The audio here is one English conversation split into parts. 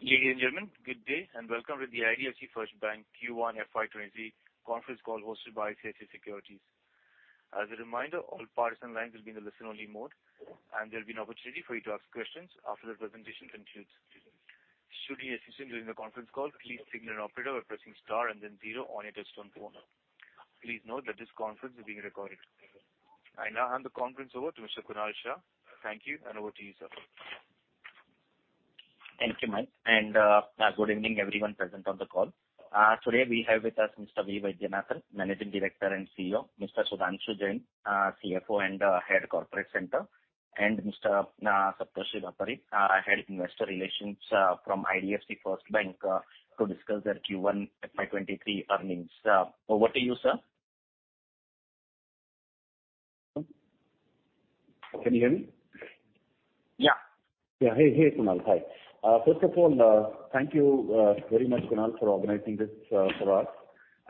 Ladies and gentlemen, good day, and welcome to the IDFC FIRST Bank Q1 FY 2023 conference call hosted by ICICI Securities. As a reminder, all parties and lines will be in a listen-only mode, and there'll be an opportunity for you to ask questions after the presentation concludes. Should you have issues during the conference call, please signal an operator by pressing star and then zero on your touch-tone phone. Please note that this conference is being recorded. I now hand the conference over to Mr. Kunal Shah. Thank you, and over to you, sir. Thank you, Mike. Good evening everyone present on the call. Today we have with us Mr. V. Vaidyanathan, Managing Director and CEO, Mr. Sudhanshu Jain, CFO and Head Corporate Center, and Mr. Saptarshi Bapari, Head Investor Relations, from IDFC FIRST Bank, to discuss their Q1 FY23 earnings. Over to you, sir. Can you hear me? Yeah. Yeah. Hey, Kunal. Hi. First of all, thank you very much, Kunal, for organizing this for us.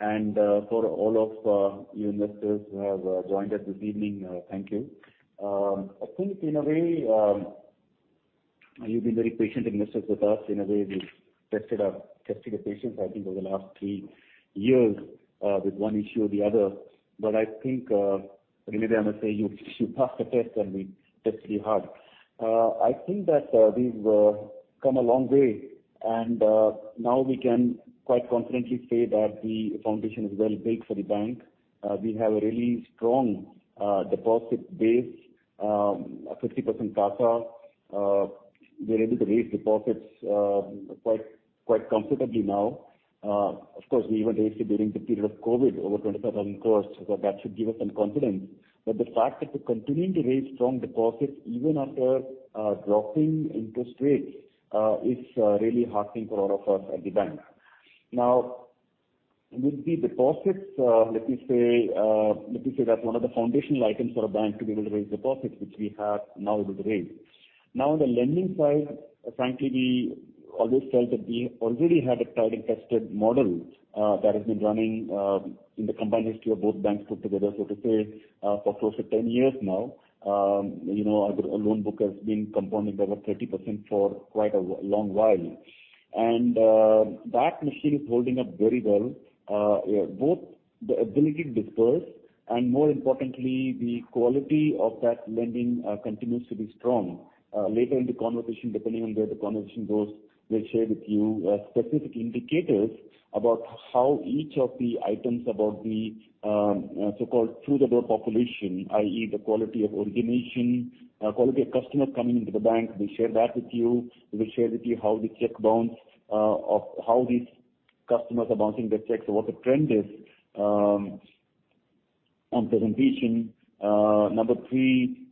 For all of you investors who have joined us this evening, thank you. I think in a way, you've been very patient investors with us. In a way, we've tested your patience, I think, over the last three years with one issue or the other. I think maybe I must say you passed the test and we tested you hard. I think that we've come a long way and now we can quite confidently say that the foundation is well built for the bank. We have a really strong deposit base, a 50% CASA. We're able to raise deposits quite comfortably now. Of course, we even raised it during the period of COVID over 2,500 crore, so that should give us some confidence. The fact that we're continuing to raise strong deposits even after dropping interest rates is really heartening for all of us at the bank. Now, with the deposits, let me say that's one of the foundational items for a bank to be able to raise deposits, which we have now been raised. Now, on the lending side, frankly, we always felt that we already had a tried and tested model that has been running in the combined history of both banks put together, so to say, for close to 10 years now. You know, our loan book has been compounding over 30% for quite a long while. That machine is holding up very well. Both the ability to disperse and more importantly, the quality of that lending continues to be strong. Later in the conversation, depending on where the conversation goes, we'll share with you specific indicators about how each of the items about the so-called through-the-door population, i.e., the quality of origination, quality of customers coming into the bank, we'll share that with you. We will share with you how the check bounce or how these customers are bouncing their checks or what the trend is on presentation. Number three,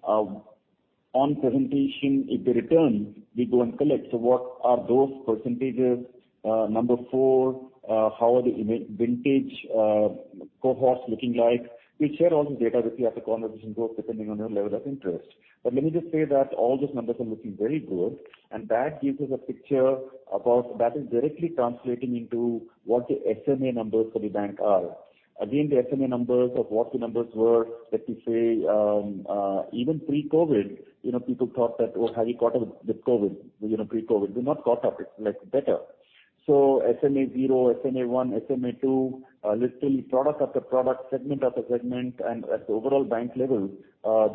on presentation, if they return, we go and collect. What are those percentages? Number four, how are the in-vintage cohorts looking like? We'll share all the data with you as the conversation goes, depending on your level of interest. Let me just say that all those numbers are looking very good, and that gives us a picture about that is directly translating into what the SMA numbers for the bank are. Again, the SMA numbers of what the numbers were, let me say, even pre-COVID, you know, people thought that, "Oh, how you coped with COVID?" You know, pre-COVID. We're not caught up. It's like better. SMA zero, SMA one, SMA two, literally product after product, segment after segment and at the overall bank level,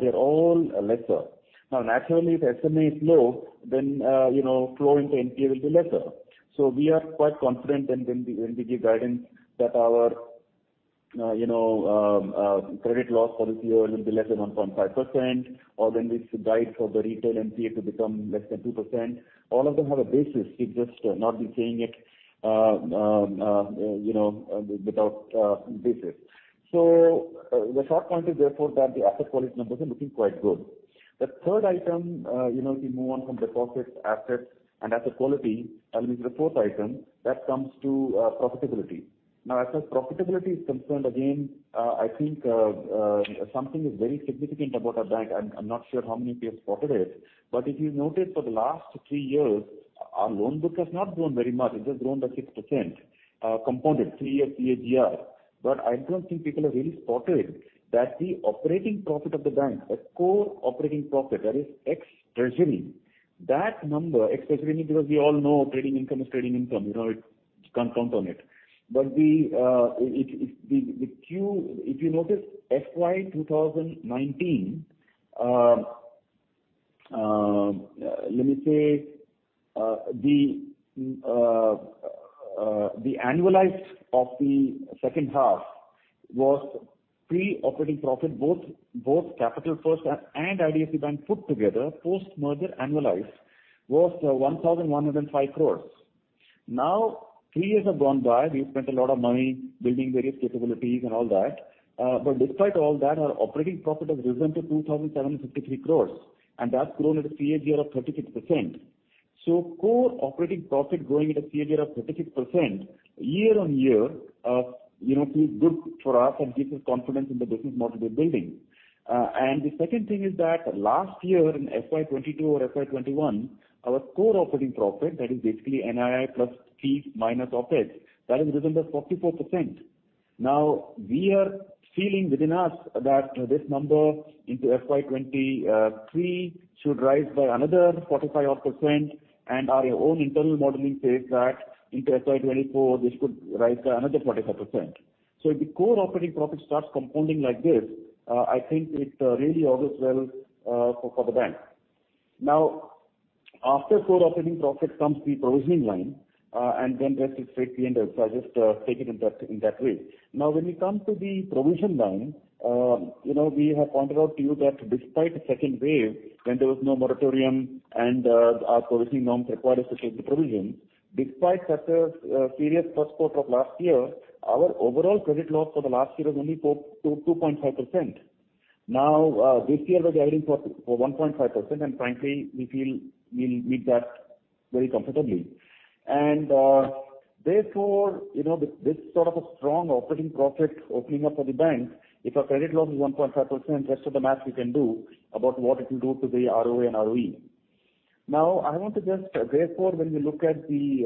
they're all lesser. Now, naturally, if SMA is low then, you know, flow into NPA will be lesser. We are quite confident and when we give guidance that our credit loss for this year will be less than 1.5% or when we guide for the retail NPA to become less than 2%, all of them have a basis. We've just not been saying it without basis. The short point is therefore that the asset quality numbers are looking quite good. The third item, if we move on from deposits, assets and asset quality, and this is the fourth item that comes to profitability. Now, as far as profitability is concerned, again, something is very significant about our bank. I'm not sure how many of you have spotted it, but if you noted for the last three years, our loan book has not grown very much. It has grown by 6%, compounded three-year CAGR. I don't think people have really spotted that the operating profit of the bank, the core operating profit, that is ex-treasury, that number ex-treasury because we all know trading income is trading income, you know, it can't count on it. If you notice FY 2019, let me say, the annualized of the second half was pre-operating profit, both Capital First and IDFC Bank put together, post-merger annualized was 1,105 crore. Now, three years have gone by. We've spent a lot of money building various capabilities and all that. Despite all that, our operating profit has risen to 2,753 crore, and that's grown at a CAGR of 36%. Core operating profit growing at a CAGR of 36% year-on-year, you know, feels good for us and gives us confidence in the business model we're building. The second thing is that last year in FY 2022 or FY 2021, our core operating profit, that is basically NII plus fees minus OpEx, that has risen by 44%. Now we are feeling within us that this number into FY 2023 should rise by another 45-odd% and our own internal modeling says that into FY 2024 this could rise by another 45%. If the core operating profit starts compounding like this, I think it really augurs well for the bank. Now, after core operating profit comes the provisioning line, and then rest is straight P&L. I just take it in that way. Now, when we come to the provision line, you know, we have pointed out to you that despite the second wave when there was no moratorium and our provisioning norms required us to take the provision, despite such a serious first quarter of last year, our overall credit loss for the last year was only 2.5%. This year we are guiding for 1.5% and frankly we feel we'll meet that very comfortably. Therefore, you know, this sort of a strong operating profit opening up for the bank if our credit loss is 1.5%, rest of the math we can do about what it will do to the ROA and ROE. Now I want to just therefore when we look at the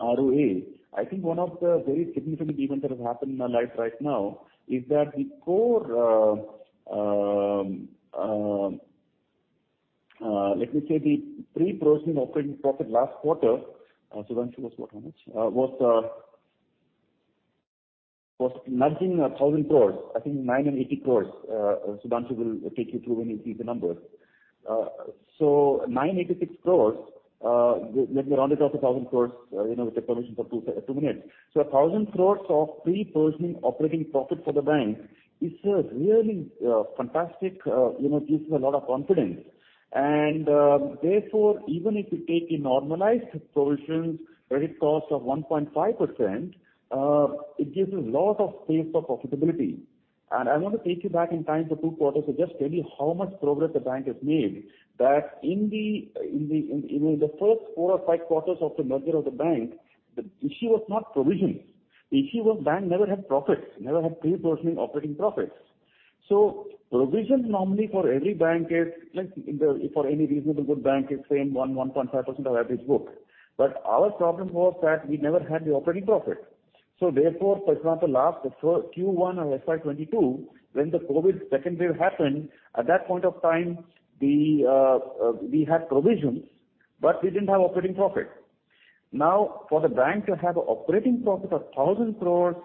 ROA, I think one of the very significant events that has happened in our life right now is that the core, let me say the pre-provision operating profit last quarter, Sudhanshu was what, how much? Was nudging 1,000 crore. I think 980 crore. Sudhanshu will take you through when you see the numbers. So 986 crore, let me round it off to 1,000 crore, you know, with the permission for two minutes. 1,000 crore of pre-provision operating profit for the bank is really fantastic, you know, gives me a lot of confidence and therefore even if you take a normalized provisions credit cost of 1.5%, it gives us lot of space for profitability. I want to take you back in time for two quarters to just tell you how much progress the bank has made that in the first 4 or 5 quarters of the merger of the bank, the issue was not provisions. The issue was bank never had profits, never had pre-provision operating profits. Provisions normally for every bank is like in the for any reasonable good bank is say 1.5% of average book. But our problem was that we never had the operating profit. Therefore, for example, last Q1 of FY 2022 when the COVID second wave happened, at that point of time we had provisions, but we didn't have operating profit. Now, for the bank to have an operating profit of 1,000 crore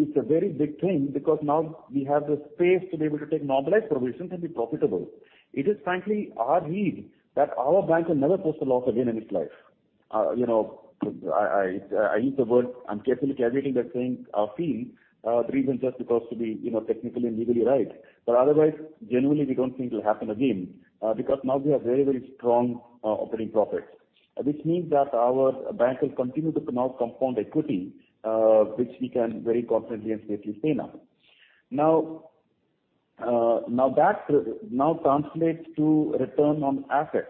is a very big thing because now we have the space to be able to take normalized provisions and be profitable. It is frankly our read that our bank will never post a loss again in its life. You know, I use the word, I'm carefully caveating that saying for the three months just because to be, you know, technically and legally right. Otherwise, genuinely, we don't think it'll happen again because now we have very, very strong operating profits. Which means that our bank will continue to now compound equity, which we can very confidently and safely say now. Now, now that translates to return on assets.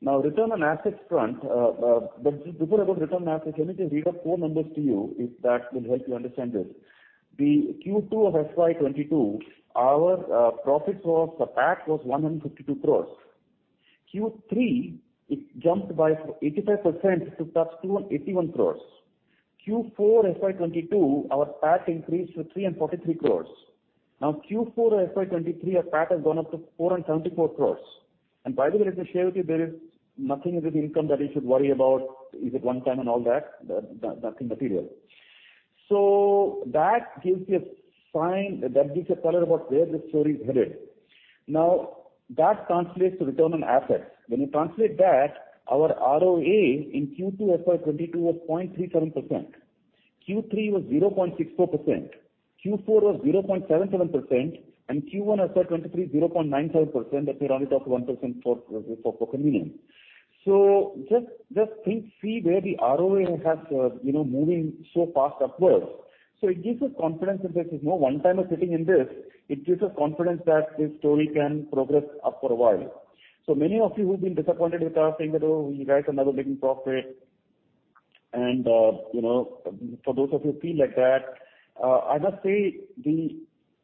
Now return on assets front, but just before I go to return on assets, let me just read out four numbers to you if that will help you understand this. The Q2 of FY 2022, our profit was, PAT was 152 crore. Q3 it jumped by 85% to touch 281 crore. Q4 FY 2022 our PAT increased to 343 crore. Now Q4 of FY 2023 our PAT has gone up to 474 crore. By the way, let me share with you there is nothing in this income that you should worry about is it one time and all that, nothing material. That gives you a sign, that gives a color about where this story is headed. Now that translates to return on assets. When you translate that our ROA in Q2 FY22 was 0.37%. Q3 was 0.64%. Q4 was 0.77% and Q1 FY23 0.97%, let me round it off to 1% for convenience. Just think, see where the ROA has, you know, moving so fast upwards. It gives us confidence that there is no one time of sitting in this. It gives us confidence that this story can progress up for a while. Many of you who've been disappointed with us saying that, "Oh, you guys are never making profit." You know, for those of you feel like that, I must say,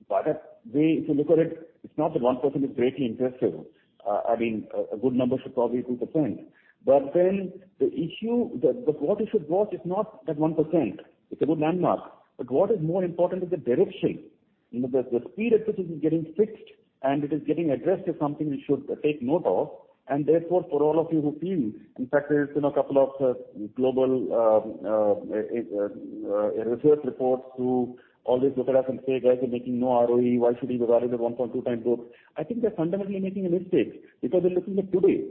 by the way, if you look at it's not that 1% is greatly impressive. I mean, a good number should probably be 2%. The issue that what you should watch is not that 1%, it's a good landmark, but what is more important is the direction. You know, the speed at which it is getting fixed and it is getting addressed is something we should take note of. Therefore, for all of you who feel, in fact there's been a couple of global research reports who always look at us and say, "Guys, you're making no ROE. Why should you be valued at 1.2x book?" I think they're fundamentally making a mistake because they're looking at today.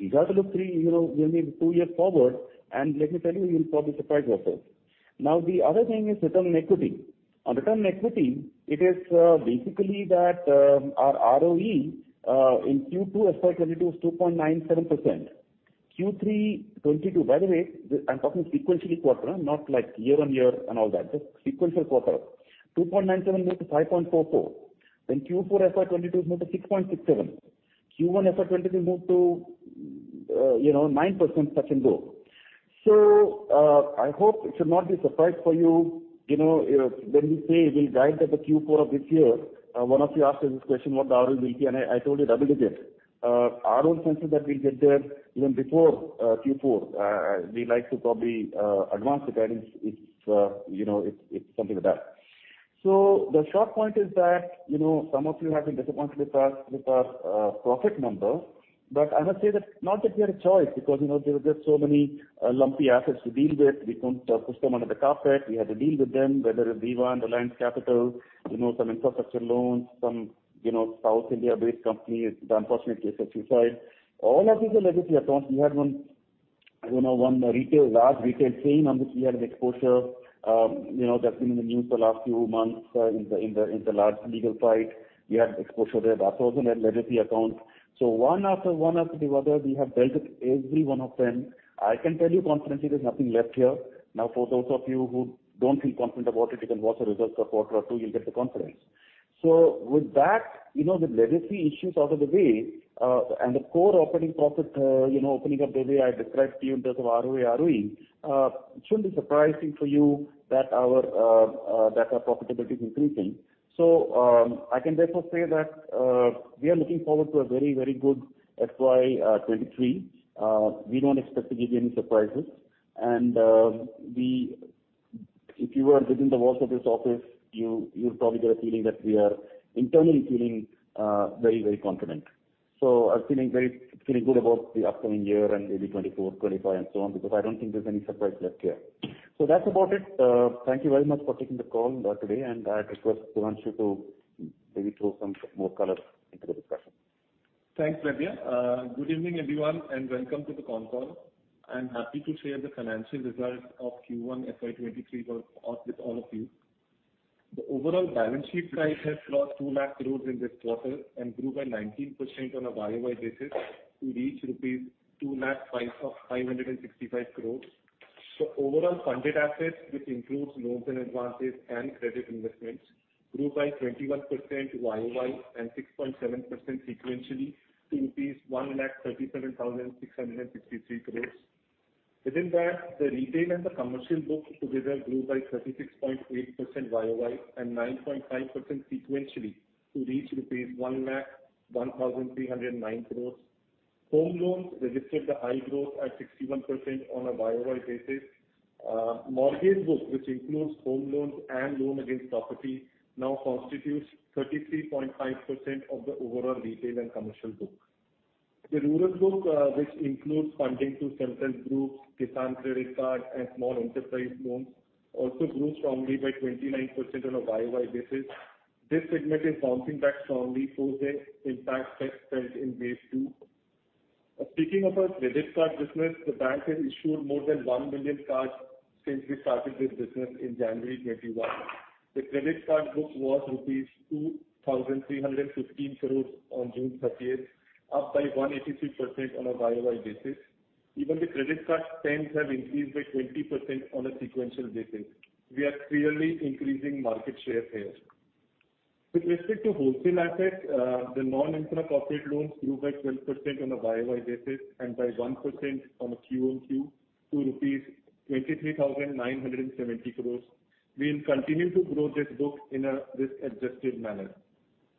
We got to look 3%, you know, maybe two years forward and let me tell you'll probably surprise yourself. Now, the other thing is return on equity. On return on equity, it is basically that, our ROE in Q2 FY 2022 was 2.97%. Q3 2022, by the way, the, I'm talking sequential quarter, not like year-on-year and all that, just sequential quarter. 2.97% moved to 5.44%. Then Q4 FY 2022 has moved to 6.67. Q1 FY 2022 moved to, you know, 9% touch and go. I hope it should not be a surprise for you know, when we say we'll guide at the Q4 of this year, one of you asked us this question what the ROE will be and I told you double digits. Our own sense is that we'll get there even before Q4. We like to probably advance the guidance. It's, you know, it's something like that. The short point is that, you know, some of you have been disappointed with our profit number. I must say that not that we had a choice because, you know, there were just so many lumpy assets to deal with. We couldn't push them under the carpet. We had to deal with them, whether it was Vivaan, Alliance Capital, you know, some infrastructure loans, some, you know, South India-based companies, the unfortunate case of suicide. All of these are legacy accounts. We had one, you know, one retail, large retail chain on which we had an exposure. You know, that's been in the news the last few months, in the large legal fight. We had exposure there. That's also a legacy account. One after the other, we have dealt with every one of them. I can tell you confidently there's nothing left here. Now, for those of you who don't feel confident about it, you can watch the results for a quarter or two, you'll get the confidence. With that, you know, the legacy issues out of the way, and the core operating profit, you know, opening up the way I described to you in terms of ROA, ROE, it shouldn't be surprising for you that our profitability is increasing. I can therefore say that we are looking forward to a very, very good FY 2023. We don't expect to give you any surprises. If you were within the walls of this office, you'd probably get a feeling that we are internally feeling very, very confident. I'm feeling very good about the upcoming year and maybe 2024, 2025, and so on, because I don't think there's any surprise left here. That's about it. Thank you very much for taking the call today, and I request Sudhanshu to maybe throw some more color into the discussion. Thanks, V. Vaidyanathan. Good evening, everyone, and welcome to the call. I'm happy to share the financial results of Q1 FY 2023 with all of you. The overall balance sheet size has crossed 2,00,000 crore in this quarter and grew by 19% on a Year-over-Year basis to reach rupees 2,00,565 crore. Overall funded assets, which includes loans and advances and credit investments, grew by 21% Year-over-Year and 6.7% sequentially to 1,37,663 crore. Within that, the retail and the commercial book together grew by 36.8% Year-over-Year and 9.5% sequentially to reach rupees 1,01,309 crore. Home loans registered the high growth at 61% on a Year-over-Year basis. Mortgage book, which includes home loans and loan against property, now constitutes 33.5% of the overall retail and commercial book. The rural book, which includes funding to self-help groups, Kisan Credit Card, and small enterprise loans also grew strongly by 29% on a Year-over-Year basis. This segment is bouncing back strongly post the impact that was felt in wave two. Speaking of our credit card business, the bank has issued more than 1 million cards since we started this business in January 2021. The credit card book was rupees 2,315 crore on June 30th, up by 183% on a Year-over-Year basis. Even the credit card spends have increased by 20% on a sequential basis. We are clearly increasing market share here. With respect to wholesale assets, the non-infra corporate loans grew by 12% on a Year-over-Year basis and by 1% on a Quarter-over-Quarter to rupees 23,970 crore. We will continue to grow this book in a risk-adjusted manner.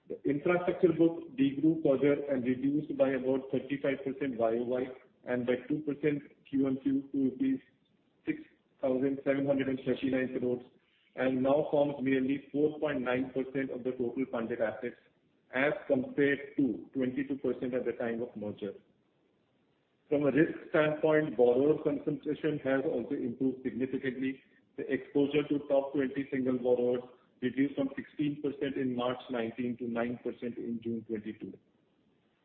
The infrastructure book de-grew further and reduced by about 35% Year-over-Year and by 2% Quarter-over-Quarter to 6,739 crore, and now forms merely 4.9% of the total funded assets, as compared to 22% at the time of merger. From a risk standpoint, borrower concentration has also improved significantly. The exposure to top 20 single borrowers reduced from 16% in March 2019 to 9% in June 2022.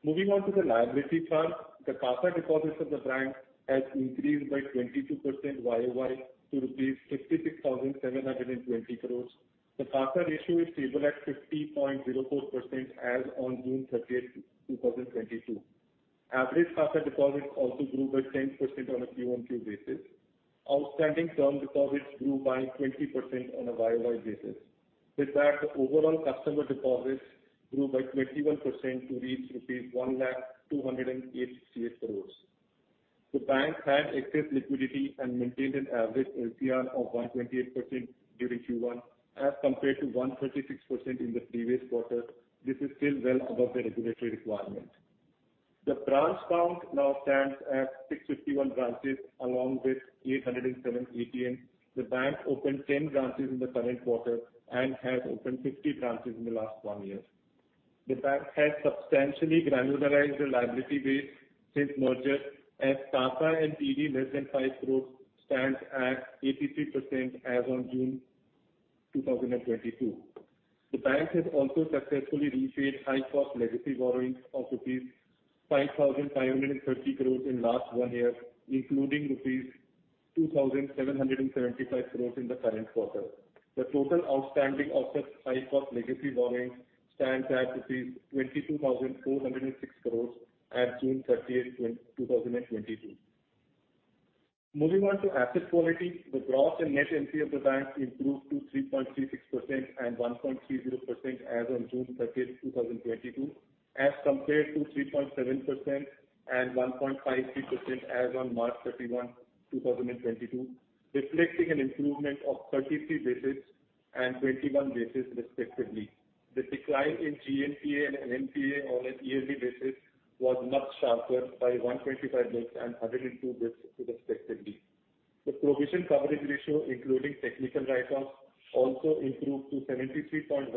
Moving on to the liability side. The CASA deposits of the bank has increased by 22% Year-over-Year to rupees 56,720 crore. The CASA ratio is stable at 50.04% as on June 30, 2022. Average CASA deposits also grew by 10% on a Quarter-over-Quarter basis. Outstanding term deposits grew by 20% on a Year-over-Year basis. With that, the overall customer deposits grew by 21% to reach rupees 100,288 crore. The bank had excess liquidity and maintained an average LCR of 128% during Q1, as compared to 136% in the previous quarter. This is still well above the regulatory requirement. The branch count now stands at 651 branches, along with 807 ATMs. The bank opened 10 branches in the current quarter and has opened 50 branches in the last one year. The bank has substantially granularized the liability base since merger, as CASA and TD less than 5 crore stands at 83% as on June 2022. The bank has also successfully repaid high-cost legacy borrowings of rupees 5,530 crore in last one year, including rupees 2,775 crore in the current quarter. The total outstanding of such high-cost legacy borrowings stands at rupees 22,406 crore as June 30, 2022. Moving on to asset quality. The gross and net NPA of the bank improved to 3.36% and 1.30% as on June 30, 2022, as compared to 3.7% and 1.53% as on March 31, 2022, reflecting an improvement of 33 basis points and 21 basis points respectively. The decline in GNPA and NPA on a year-on-year basis was much sharper by 125 basis points and 82 basis points respectively. The provision coverage ratio including technical write-offs also improved to 73.16%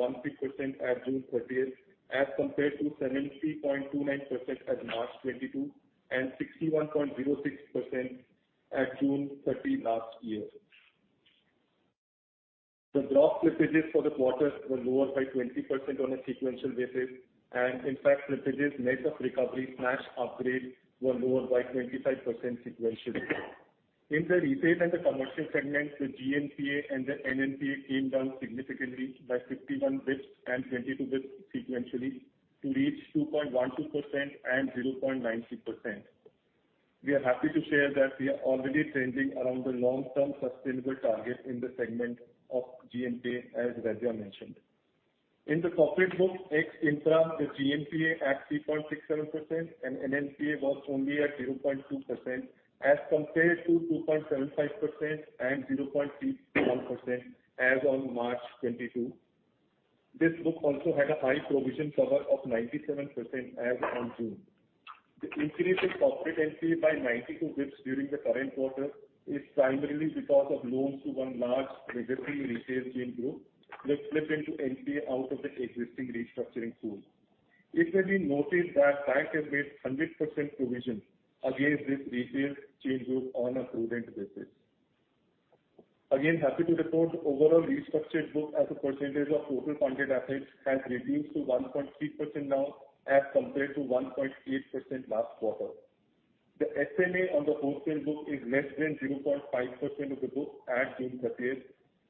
at June 30, as compared to 73.29% at March 2022, and 61.06% at June 30 last year. The gross slippages for the quarter were lower by 20% on a sequential basis, and in fact, slippages net of recovery/upgrade were lower by 25% sequentially. In the retail and the commercial segment, the GNPA and the NNPA came down significantly by 51 basis points and 22 basis points sequentially to reach 2.12% and 0.96%. We are happy to share that we are already trending around the long-term sustainable target in the segment of GNPA, as Vaidya mentioned. In the corporate book ex-infra, the GNPA at 3.67% and NNPA was only at 0.2%, as compared to 2.75% and 0.31% as on March 2022. This book also had a high provision cover of 97% as on June. The increase in corporate NPAs by 92 basis points during the current quarter is primarily because of loans to one large existing retail chain group that slipped into NPA out of the existing restructuring pool. It may be noted that the bank has made 100% provision against this retail chain group on a prudent basis. Happy to report the overall restructured book as a percentage of total funded assets has reduced to 1.6% now, as compared to 1.8% last quarter. The SMA on the wholesale book is less than 0.5% of the book at June 30th.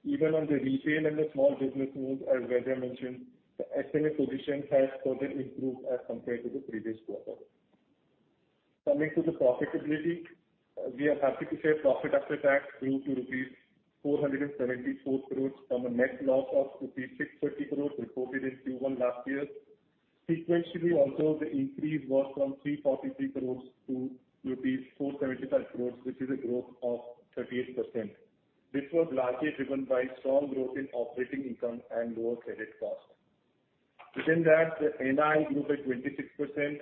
Even on the retail and the small business loans, as Vaidya mentioned, the SMA position has further improved as compared to the previous quarter. Coming to the profitability, we are happy to say profit after tax grew to rupees 474 crore from a net loss of rupees 630 crore reported in Q1 last year. Sequentially also, the increase was from 343 crore to rupees 475 crore, which is a growth of 38%. This was largely driven by strong growth in operating income and lower credit cost. Within that, the NI grew by 26%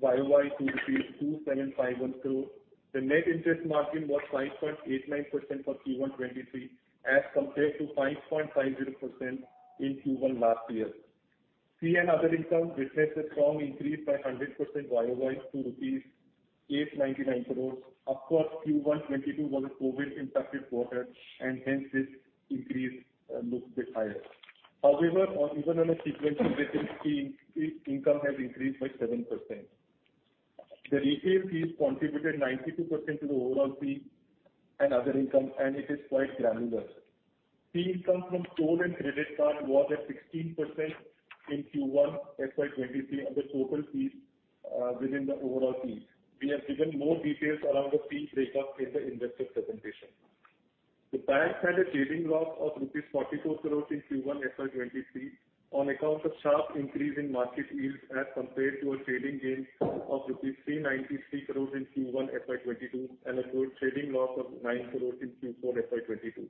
Year-over-Year to 2,751 crore. The net interest margin was 5.89% for Q1 2023 as compared to 5.50% in Q1 last year. Fee and other income witnessed a strong increase by 100% Year-over-Year to rupees 899 crore. Of course, Q1 2022 was a COVID-impacted quarter, and hence this increase looks a bit higher. However, even on a sequential basis, fee income has increased by 7%. The retail fees contributed 92% to the overall fee and other income, and it is quite granular. Fee income from loan and credit card was at 16% in Q1 FY 2023 of the total fees within the overall fees. We have given more details around the fees break-up in the investor presentation. The bank had a trading loss of INR 44 crore in Q1 FY 2023 on account of sharp increase in market yields as compared to a trading gain of INR 393 crore in Q1 FY 2022 and a trading loss of INR 9 crore in Q4 FY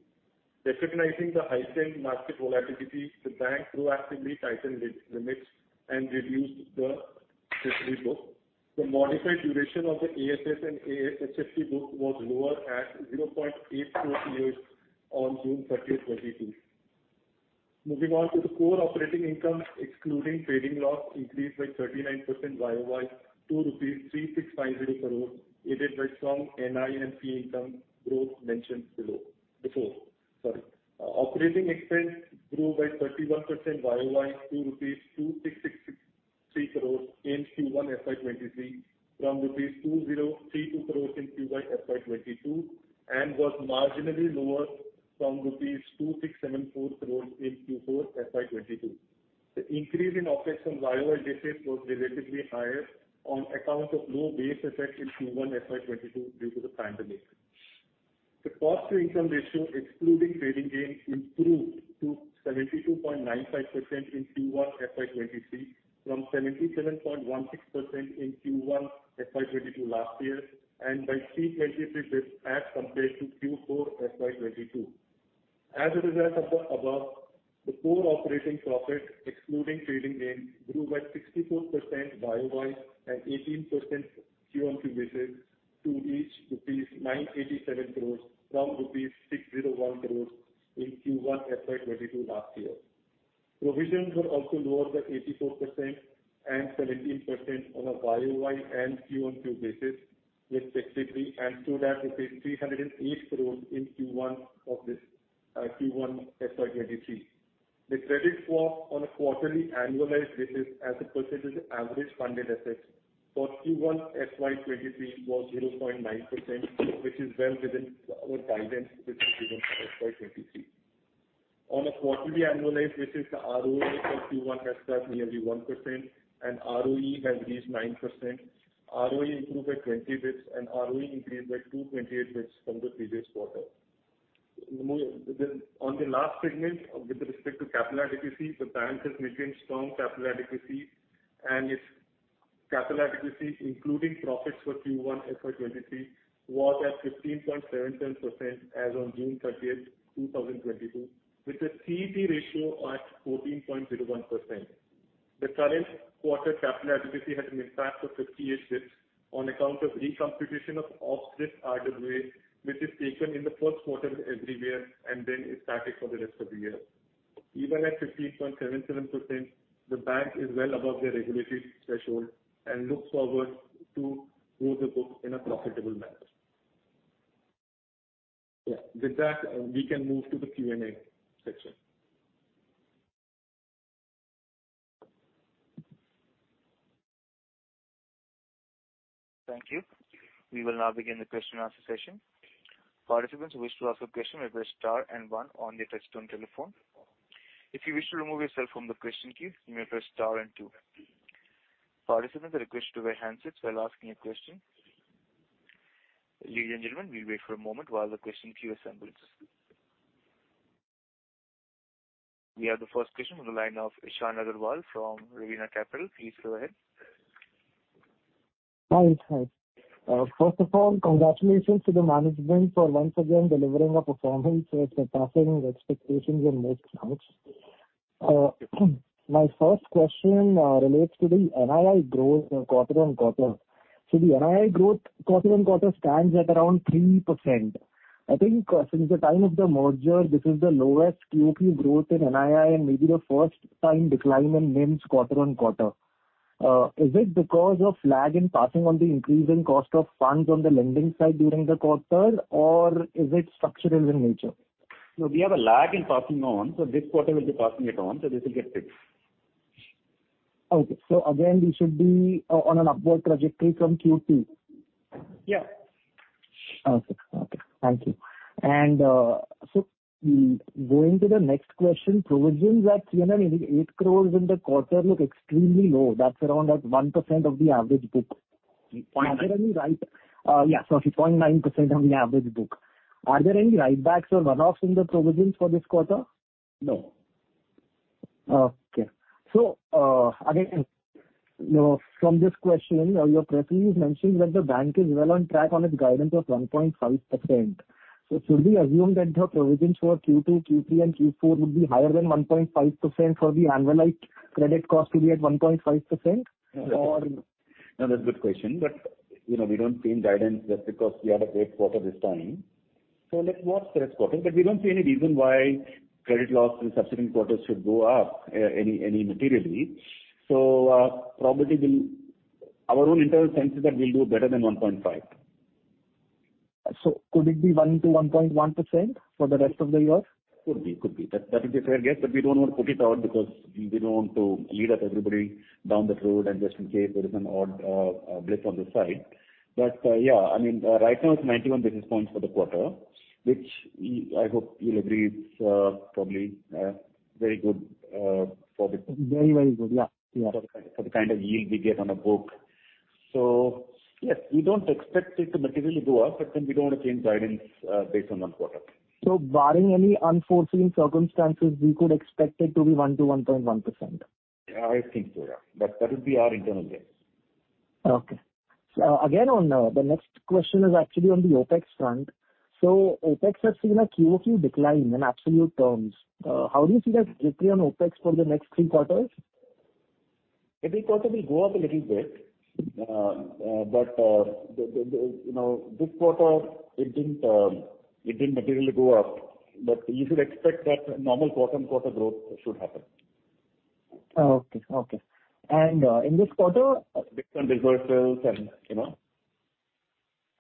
2022. Recognizing the heightened market volatility, the bank proactively tightened liquidity limits and reduced the book. The modified duration of the AFS and HFT book was lower at 0.84 years on June 30, 2022. Moving on to the core operating income, excluding trading loss, increased by 39% Year-over-Year to rupees 3,650 crore, aided by strong NI and fee income growth mentioned below. Operating expense grew by 31% Year-over-Year to rupees 2663 crore in Q1 FY 2023 from rupees 2032 crore in Q1 FY 2022, and was marginally lower from rupees 2674 crore in Q4 FY 2022. The increase in OpEx on Year-over-Year basis was relatively higher on account of low base effect in Q1 FY 2022 due to the pandemic. The cost-to-income ratio excluding trading gains improved to 72.95% in Q1 FY 2023 from 77.16% in Q1 FY 2022 last year, and by 333 basis points as compared to Q4 FY 2022. As a result of the above, the core operating profit excluding trading gains grew by 64% Year-over-Year and 18% Quarter-over-Quarter basis to reach rupees 987 crore from rupees 601 crore in Q1 FY 2022 last year. Provisions were also lower by 84% and 17% on a Year-over-Year and Quarter-over-Quarter basis respectively, and stood at INR 308 crore in Q1 of this Q1 FY 2023. The credit cost on a quarterly annualized basis as a percentage of average funded assets for Q1 FY 2023 was 0.9%, which is well within our guidance which was given for FY 2023. On a quarterly annualized basis, the ROA for Q1 has touched nearly 1% and ROE has reached 9%. ROA improved by 20 basis points, and ROE increased by 228 basis points from the previous quarter. On the last segment, with respect to capital adequacy, the bank has maintained strong capital adequacy and its Capital adequacy, including profits for Q1 FY 2023, was at 15.77% as on June 30, 2022, with the CET ratio at 14.01%. The current quarter capital adequacy has an impact of 58 basis points on account of recomputation of off-balance sheet RWA, which is taken in the first quarter every year and then is static for the rest of the year. Even at 15.77%, the bank is well above the regulatory threshold and looks forward to grow the book in a profitable manner. Yeah. With that, we can move to the Q&A section. Thank you. We will now begin the question answer session. Participants who wish to ask a question may press star and one on their touchtone telephone. If you wish to remove yourself from the question queue, you may press star and two. Participants are requested to wear handsets while asking a question. Ladies and gentlemen, we wait for a moment while the question queue assembles. We have the first question on the line of Ishan Agarwal from Erevna Capital. Please go ahead. Hi. First of all, congratulations to the management for once again delivering a performance which surpassing the expectations in most counts. My first question relates to the NII growth quarter on quarter. The NII growth quarter on quarter stands at around 3%. I think since the time of the merger, this is the lowest Quarter-over-Quarter growth in NII and maybe the first time decline in NIMs quarter on quarter. Is it because of lag in passing on the increasing cost of funds on the lending side during the quarter or is it structural in nature? No, we have a lag in passing on, so this quarter we'll be passing it on, so this will get fixed. Okay. Again, we should be on an upward trajectory from Q2? Yeah. Okay. Thank you. Going to the next question, provisions at 8 crore in the quarter look extremely low. That's around at 1% of the average book. 0.9. 0.9% of the average book. Are there any write-backs or runoffs in the provisions for this quarter? No. Okay. Again, you know, from this question, your press release mentions that the bank is well on track on its guidance of 1.5%. Should we assume that the provisions for Q2, Q3 and Q4 would be higher than 1.5% for the annualized credit cost to be at 1.5%? No, that's a good question. You know, we don't change guidance just because we had a great quarter this time. Let's watch the next quarter. We don't see any reason why credit loss in subsequent quarters should go up materially. Our own internal sense is that we'll do better than 1.5%. Could it be 1%-1.1% for the rest of the year? Could be. That is a fair guess, but we don't wanna put it out because we don't want to lead up everybody down that road and just in case there is an odd blip on the side. Yeah, I mean, right now it's 91 basis points for the quarter, which we, I hope you'll agree it's probably very good for the- Very, very good. Yeah. Yeah. For the kind of yield we get on a book. Yes, we don't expect it to materially go up, but then we don't wanna change guidance based on one quarter. Barring any unforeseen circumstances, we could expect it to be 1%-1.1%. Yeah, I think so, yeah. That would be our internal guess. Okay. Again, on the next question is actually on the OpEx front. OpEx has seen a Quarter-over-Quarter decline in absolute terms. How do you see that trajectory on OpEx for the next three quarters? Every quarter will go up a little bit. You know, this quarter it didn't materially go up. You should expect that normal quarter-on-quarter growth should happen. Oh, okay. Okay. In this quarter- Different reversals and, you know.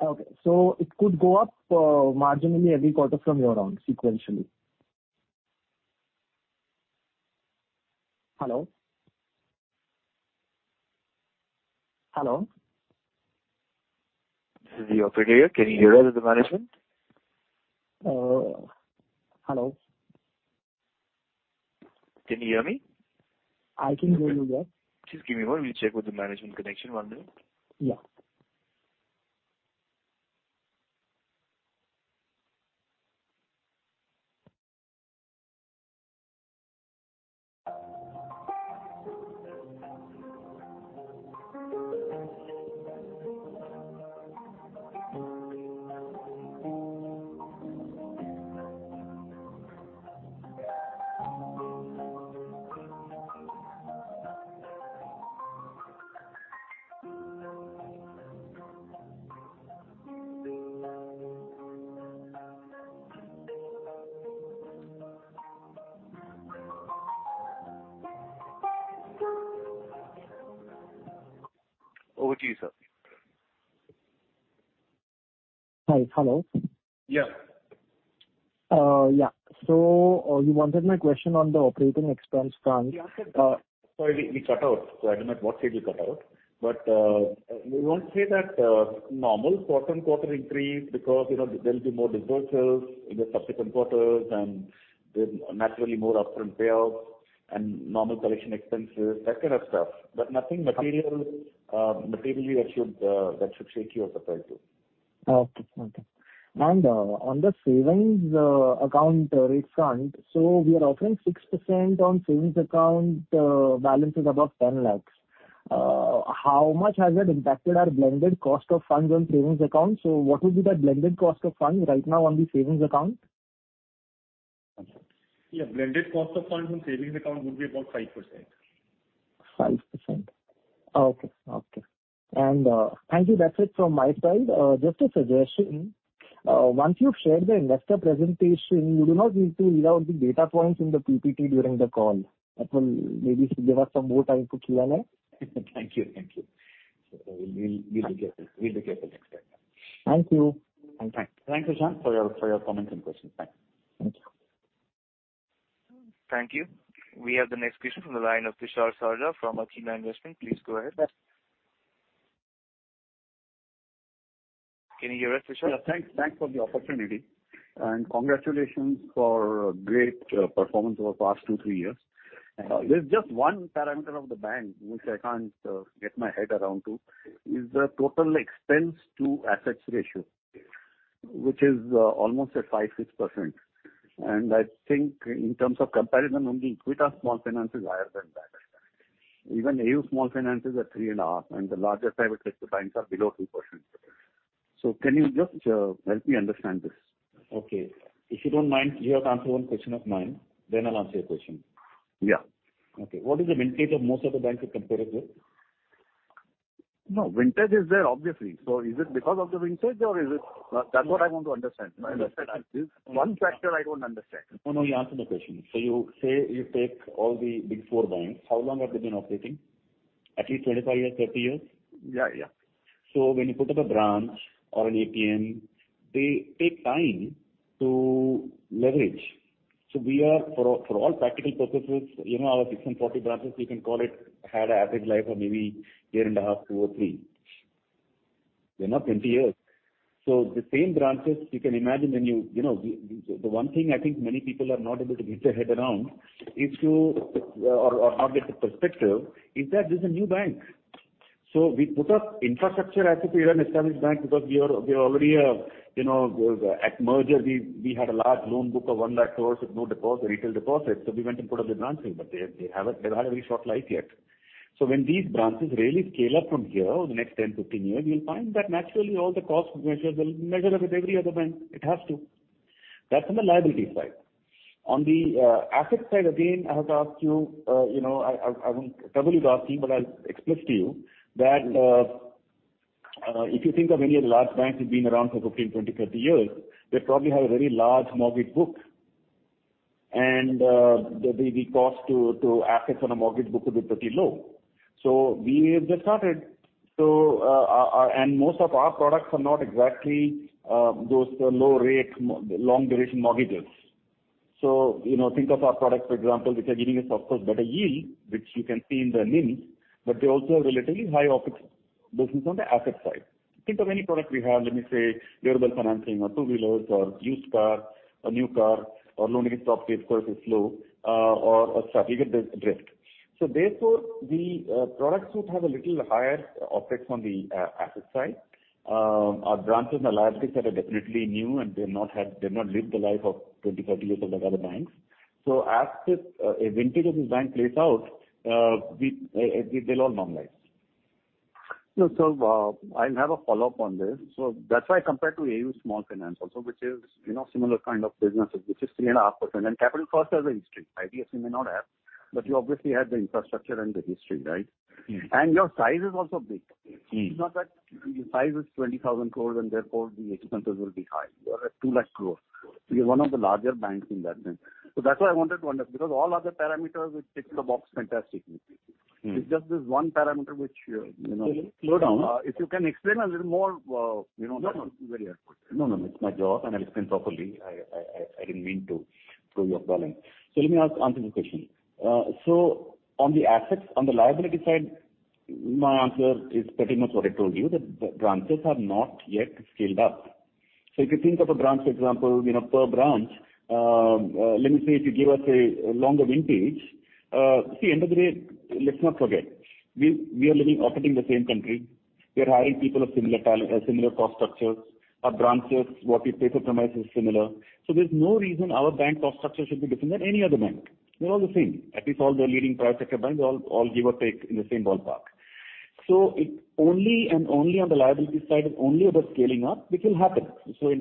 Okay. It could go up, marginally every quarter from here on sequentially? Hello? Hello? This is the operator. Can you hear us as the management? Hello. Can you hear me? I can hear you, yeah. Just give me one. We'll check with the management. One moment. Yeah. Over to you, sir. Hi. Hello. Yeah. Yeah. You wanted my question on the operating expense front. Yeah. Sorry, we cut out, so I don't know what stage we cut out. We want to say that normal quarter-over-quarter increase because, you know, there'll be more disbursals in the subsequent quarters and there's naturally more upfront payoffs and normal collection expenses, that kind of stuff. Nothing material, materially that should shake you as opposed to. Okay. On the savings account rate front, so we are offering 6% on savings account balances above 10 lakhs. How much has it impacted our blended cost of funds on savings accounts? What would be that blended cost of funds right now on the savings account? Yeah, blended cost of funds on savings account would be about 5%. 5%. Okay. Thank you. That's it from my side. Just a suggestion. Once you've shared the investor presentation, you do not need to read out the data points in the PPT during the call. That will maybe give us some more time to Q&A. Thank you. We'll be careful next time. Thank you. Thank you, Ishan, for your comments and questions. Thanks. Thank you. Thank you. We have the next question from the line of Tushar Sarda from Athena Investments. Please go ahead. Can you hear us, Tushar? Yeah, thanks. Thanks for the opportunity, and congratulations for great performance over the past 2, 3 years. Thank you. There's just one parameter of the bank which I can't get my head around to, is the total expense to assets ratio, which is almost at 5%, 6%. I think in terms of comparison, only Equitas Small Finance Bank is higher than that. Even AU Small Finance Bank is at 3.5, and the largest private sector banks are below 2%. Can you just help me understand this? Okay. If you don't mind, you have to answer one question of mine, then I'll answer your question. Yeah. Okay. What is the vintage that most of the banks you compare it with? No, vintage is there, obviously. Is it because of the vintage or is it? That's what I want to understand. I understand. One factor I don't understand. No, no, you answer my question. You say you take all the big four banks. How long have they been operating? At least 25 years, 30 years? Yeah, yeah. When you put up a branch or an ATM, they take time to leverage. We are, for all practical purposes, you know, our 640 branches, we can call it, had an average life of maybe year and a half, two or three. They're not 20 years. The same branches you can imagine when you. You know, the one thing I think many people are not able to get their head around is to or not get the perspective, is that this is a new bank. We put up infrastructure as if we are an established bank because we are. We are already a, you know, at merger we had a large loan book of 1 lakh crore with no retail deposits. When these branches really scale up from here over the next 10, 15 years, you'll find that naturally all the cost measures will measure up with every other bank. It has to. That's on the liability side. On the asset side, again, I have to ask you know, I won't trouble you to ask me, but I'll explain to you that if you think of any of the large banks who've been around for 15, 20, 30 years, they probably have a very large mortgage book. The cost to assets on a mortgage book will be pretty low. We've just started. Our and most of our products are not exactly those low rate, long duration mortgages. You know, think of our products, for example, which are giving us, of course, better yield, which you can see in the NIM, but they also have relatively high OpEx business on the asset side. Think of any product we have, let me say vehicle financing or two-wheelers or used car or new car or loan against properties, where it is low, or a strategic drift. Therefore the products would have a little higher OpEx on the asset side. Our branches and the liabilities that are definitely new and they've not lived the life of 20, 30 years like the other banks. As this a vintage of this bank plays out, they'll all normalize. I'll have a follow-up on this. That's why compared to AU Small Finance Bank also, which is, you know, similar kind of businesses, which is 3.5%, and Capital First has a history. IDFC may not have, but you obviously have the infrastructure and the history, right? Mm-hmm. Your size is also big. It's not that your size is 20,000 crore and therefore the expenses will be high. You are at 2 lakh crore. You're one of the larger banks in that sense. That's why I wanted to because all other parameters, you tick the box fantastic. It's just this one parameter which Slow down. If you can explain a little more No, no. Very helpful. No, no, it's my job and I'll explain properly. I didn't mean to throw you off balance. Let me answer your question. On the assets, on the liability side, my answer is pretty much what I told you, that the branches are not yet scaled up. If you think of a branch, for example, you know, per branch, let me say if you give us a longer vintage. End of the day, let's not forget, we are living, operating in the same country. We are hiring people of similar talent, similar cost structures. Our branches, what we pay for premises is similar. There's no reason our bank cost structure should be different than any other bank. They're all the same. At least all the leading private sector banks give or take in the same ballpark. It only and only on the liability side is only about scaling up, which will happen.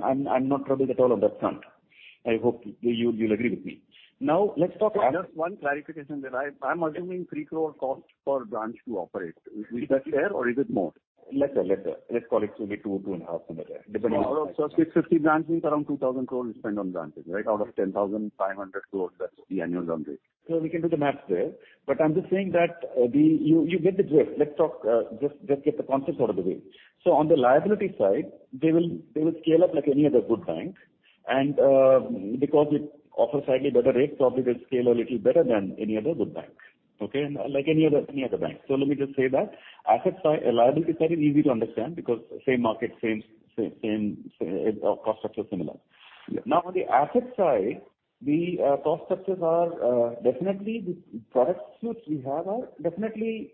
I'm not troubled at all on that front. I hope you'll agree with me. Just one clarification that I'm assuming 3 crore cost per branch to operate. Is that fair or is it more? Less. Let's call it simply two to two and a half crore, depending on. Out of 60 branches, around INR 2,000 crore you spend on branches, right? Out of INR 10,500 crore, that's the annual salary. We can do the math there, but I'm just saying that. You get the drift. Let's talk, just get the concepts out of the way. On the liability side, they will scale up like any other good bank and, because it offers slightly better rates, probably will scale a little better than any other good bank. Okay? Like any other bank. Let me just say that asset side, liability side is easy to understand because same market, same cost structure similar. Now, on the asset side, the cost structures are definitely the product suites we have are definitely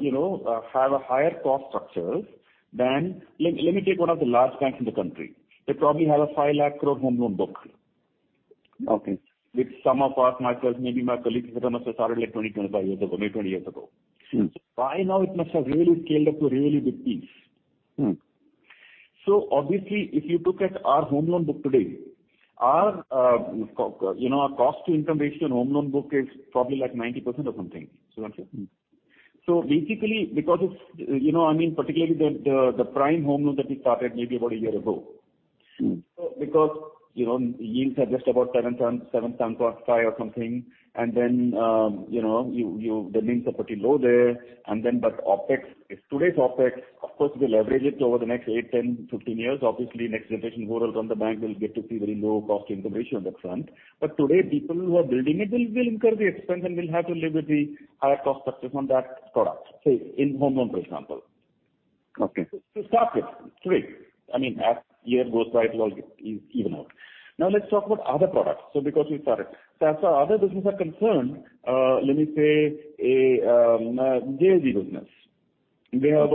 you know have a higher cost structure than. Let me take one of the large banks in the country. They probably have a 5 lakh crore home loan book. Okay. Which some of us, myself, maybe my colleagues here must have started like 25 years ago, maybe 20 years ago. By now it must have really scaled up to a really big piece. Obviously, if you look at our home loan book today, our cost-to-income ratio on home loan book is probably like 90% or something. Is that so? Basically because it's, you know, I mean, particularly the prime home loan that we started maybe about a year ago. Because, you know, yields are just about 7x cost five or something, and then, you know, the costs are pretty low there and then, but OpEx, if today's OpEx, of course, we leverage it over the next 8, 10, 15 years, obviously the next generation, overall, the bank will get to see very low cost-to-income ratio on that front. But today, people who are building it will incur the expense and will have to live with the higher cost structure on that product, say in home loan, for example. Okay. To start with. It's weird. I mean, as years go by it'll all even out. Now let's talk about other products. Because we started. As far as other businesses are concerned, let me say JLG business. They have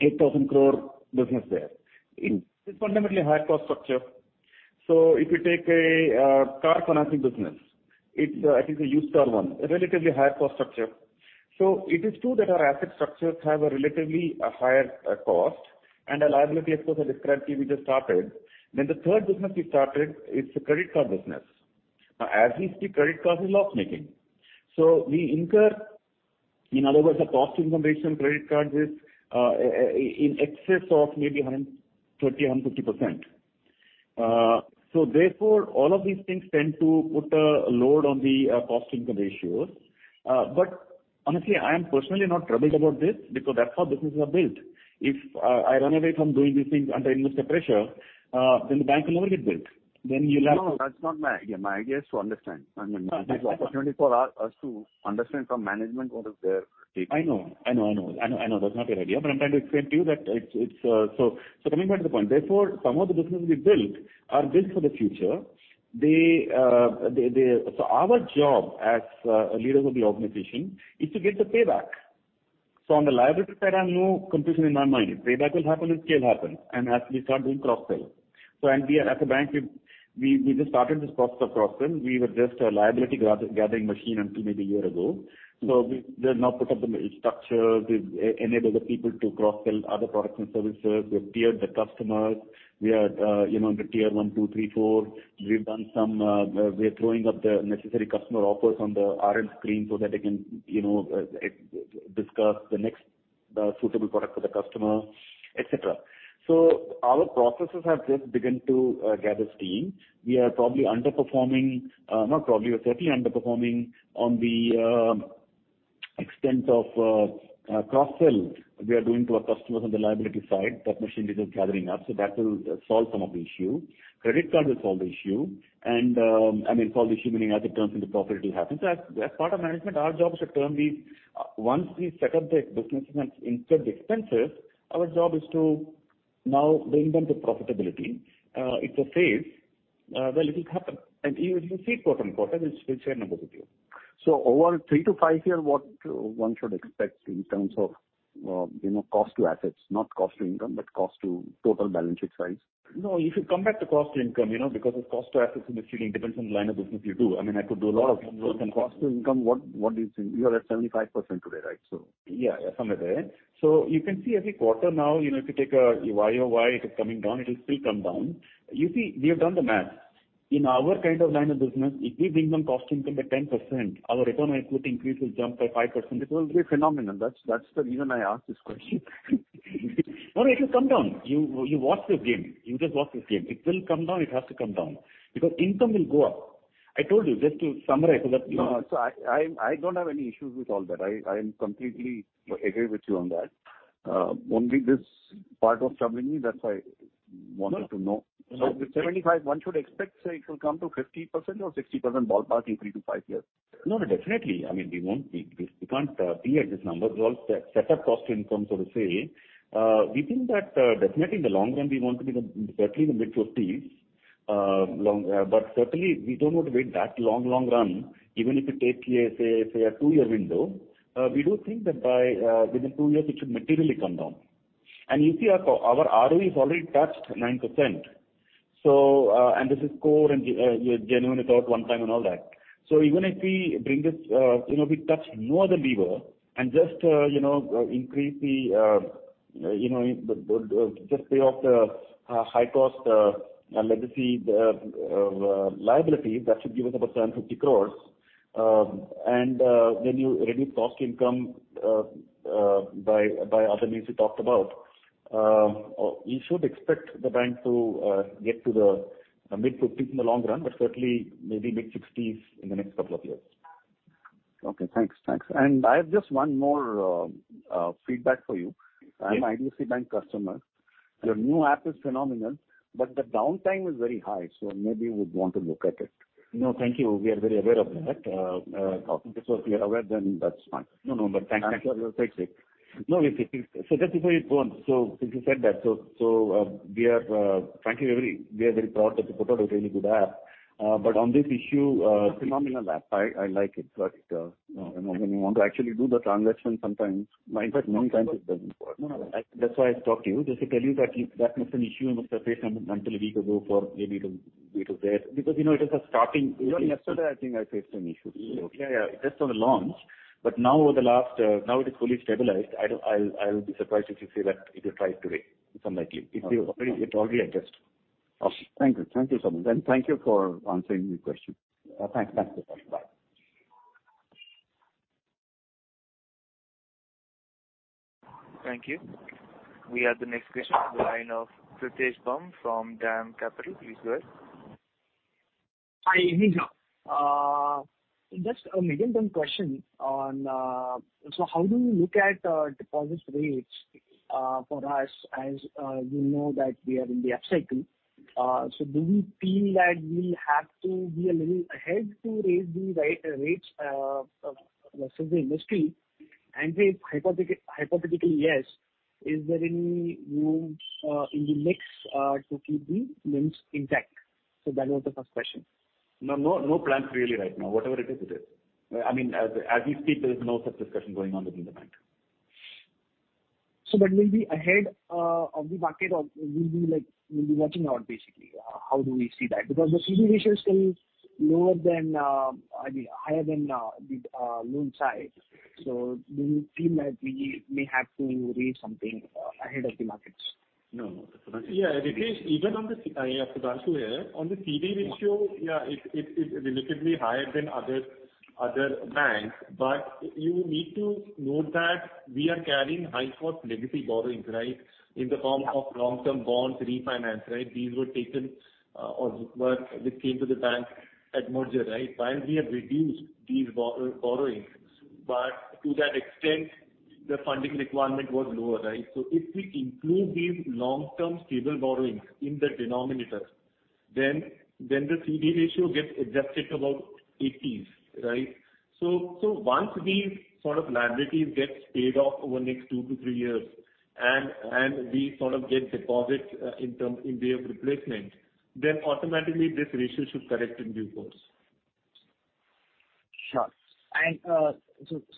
8,000 crore business there. It's fundamentally a high cost structure. If you take a car financing business, it's I think a used car one, a relatively high cost structure. It is true that our asset structures have a relatively higher cost and a liability-cost discrepancy which we just started. The third business we started is the credit card business. Now as we speak, credit card is loss-making. We incur, in other words, the cost-income ratio on credit cards is in excess of maybe 130-150%. Therefore all of these things tend to put a load on the cost-income ratios. Honestly, I am personally not troubled about this because that's how businesses are built. If I run away from doing these things under investor pressure, then the bank will never get built. No, that's not my idea. My idea is to understand. I mean, this is opportunity for us to understand from management what is their take. I know that's not your idea, but I'm trying to explain to you that it's. Coming back to the point, therefore, some of the businesses we built are built for the future. Our job as leaders of the organization is to get the payback. On the liability side, I have no confusion in my mind. Payback will happen if scale happens, and as we start doing cross-sell. We are, as a bank, we've just started this process of cross-sell. We were just a liability gathering machine until maybe a year ago. We have now put up the structures. We've enabled the people to cross-sell other products and services. We've tiered the customers. We are, you know, the tier one, two, three, four. We've done some, we are throwing up the necessary customer offers on the RM screen so that they can, you know, discuss the next, suitable product for the customer, et cetera. Our processes have just begun to gather steam. We are probably underperforming, not probably, we're certainly underperforming on the extent of, cross-sell we are doing to our customers on the liability side. That machine is just gathering up, so that will solve some of the issue. Credit card will solve the issue, I mean, as it turns into profitability happen. As part of management, our job is to turn these. Once we set up the businesses and incur the expenses, our job is to now bring them to profitability. It's a phase where it will happen. You'll see it quarter-over-quarter. We'll share numbers with you. Over 3 to 5 year, what one should expect in terms of, you know, cost to assets? Not cost to income, but cost to total balance sheet size. No, if you come back to cost to income, you know, because of cost to assets, it actually depends on the line of business you do. Cost to income, what do you think? You are at 75% today, right? Yeah. Somewhere there. You can see every quarter now, you know, if you take a Year-over-Year, it is coming down, it will still come down. You see, we have done the math. In our kind of line of business, if we bring down cost to income by 10%, our return on equity increase will jump by 5%. It will be phenomenal. That's the reason I ask this question. No, it will come down. You watch this game. You just watch this game. It will come down. It has to come down because income will go up. I told you just to summarize. No, so I don't have any issues with all that. I completely agree with you on that. Only this part was troubling me, that's why I wanted to know. No, no. With 75%, one should expect, say it will come to 50% or 60% ballparking 3-5 years. No, no, definitely. I mean, we won't be, we can't be at this number. We all set our cost to income, so to say. We think that definitely in the long run, we want to be certainly the mid-40s, but certainly we don't want to wait that long run. Even if you take here, say a 2-year window, we do think that by within two years, it should materially come down. You see our ROE has already touched 9%. This is core and genuinely thought one time and all that. Even if we bring this, you know, we touch no other lever and just, you know, increase the, you know, just pay off the high cost legacy liability, that should give us about 1,050 crore. And when you reduce cost-to-income by other means we talked about, you should expect the bank to get to the mid-50s% in the long run, but certainly maybe mid-60s% in the next couple of years. Okay, thanks. Thanks. I have just one more feedback for you. Yes. I'm IDFC Bank customer. Your new app is phenomenal, but the downtime is very high, so maybe you would want to look at it. No, thank you. We are very aware of that. If this was, then that's fine. No, but thank you. Actually, we'll take it. No, so just before you go on. Since you said that, we are very proud that we put out a really good app, but on this issue. Phenomenal app. I like it, but you know, when you want to actually do the transaction sometimes, in fact many times it doesn't work. No, no. That's why I talked to you, just to tell you that if that was an issue you must have faced until a week ago for maybe two to three. Because, you know, it is a starting. Even yesterday I think I faced some issues. Yeah, yeah. Just on the launch. Now it is fully stabilized. I'll be surprised if you say that, if you tried today. It's unlikely. Okay. It already adjusted. Okay. Thank you. Thank you, Sudhanshu. Thank you for answering my question. Thanks. Thanks. Bye. Thank you. We have the next question in the line of Pritesh Bumb from DAM Capital. Please go ahead. Hi. Good morning, sir. Just a medium-term question on how you look at deposits rates for us as we know that we are in the up cycle. Do we feel that we have to be a little ahead to raise the rates versus the industry? And if hypothetically yes, is there any room in the mix to keep the NIMs intact? That was the first question. No, no plans really right now. Whatever it is, it is. I mean, as we speak, there is no such discussion going on within the bank. That we'll be ahead of the market or we'll be like watching out basically, how do we see that? Because the CD ratio is still lower than, I mean, higher than the loan size. Do we feel that we may have to raise something ahead of the markets? No. Yeah. Pritesh, even on the CD ratio, yeah, it is relatively higher than other banks, but you need to note that we are carrying high-cost legacy borrowings, right? In the form of long-term bond refinancing, right? These were taken. This came to the bank at merger, right? While we have reduced these borrowings, but to that extent, the funding requirement was lower, right? If we include these long-term stable borrowings in the denominator then the CD ratio gets adjusted to about 80s, right? Once these sort of liabilities get paid off over the next 2-3 years and we sort of get deposits by way of replacement, then automatically this ratio should correct in due course. Sure.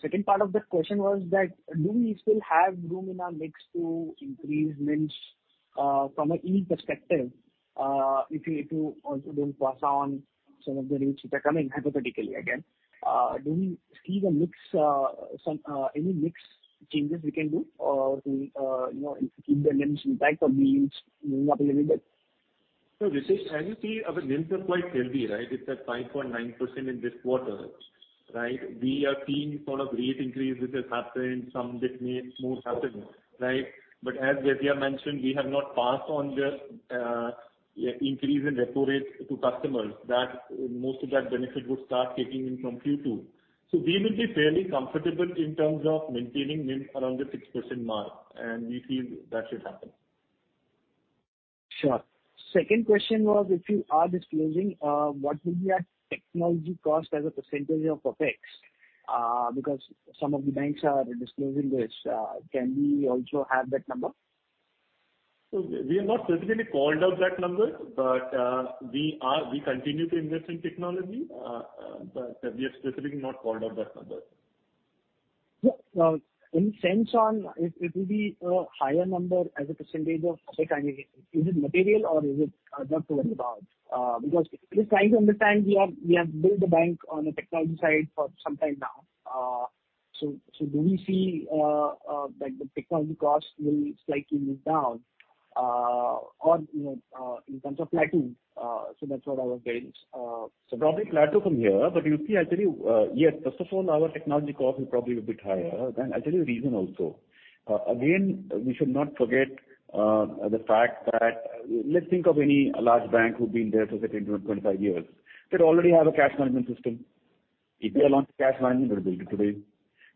Second part of the question was that do we still have room in our mix to increase NIMs from a yield perspective? If you also don't pass on some of the rates which are coming, hypothetically again. Do we see the mix, some, any mix changes we can do or to, you know, keep the NIMs intact or the NIMs moving up a little bit? No, Pritesh, as you see our NIMs are quite healthy, right? It's at 5.9% in this quarter, right? We are seeing sort of rate increase which has happened, some difference more happened, right? As V. Vaidyanathan mentioned, we have not passed on the increase in repo rate to customers. That most of that benefit would start kicking in from Q2. We will be fairly comfortable in terms of maintaining NIM around the 6% mark, and we feel that should happen. Sure. Second question was if you are disclosing, what will be our technology cost as a percentage of OpEx? Because some of the banks are disclosing this. Can we also have that number? We have not specifically called out that number, but we continue to invest in technology, but we have specifically not called out that number. Yeah. In the sense of if it be a higher number as a percentage of CapEx, I mean, is it material or is it not to worry about? Because just trying to understand, we have built the bank on the technology side for some time now. So do we see like the technology costs will slightly move down or, you know, in terms of plateau? So that's what I was raising. Probably plateau from here, but you see actually, yes, first of all, our technology cost will probably be a bit higher. I'll tell you the reason also. Again, we should not forget the fact that let's think of any large bank who's been there for say 10-25 years. They'd already have a cash management system. If they launch cash management, they'll build it today.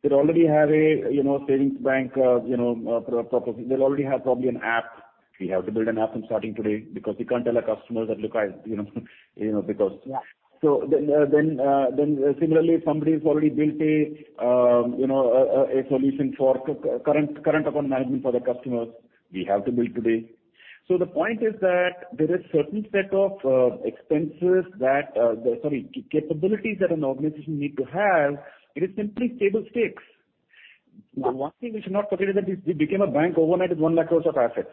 They'd already have a, you know, savings bank, you know, core process. They'd already have probably an app. We have to build an app from scratch today because we can't tell our customers that, you know. Yeah. Similarly, somebody's already built a, you know, a solution for current account management for their customers. We have to build today. The point is that there is certain set of expenses that the... Sorry, capabilities that an organization need to have, it is simply table stakes. The one thing we should not forget is that we became a bank overnight with 1 lakh crore of assets,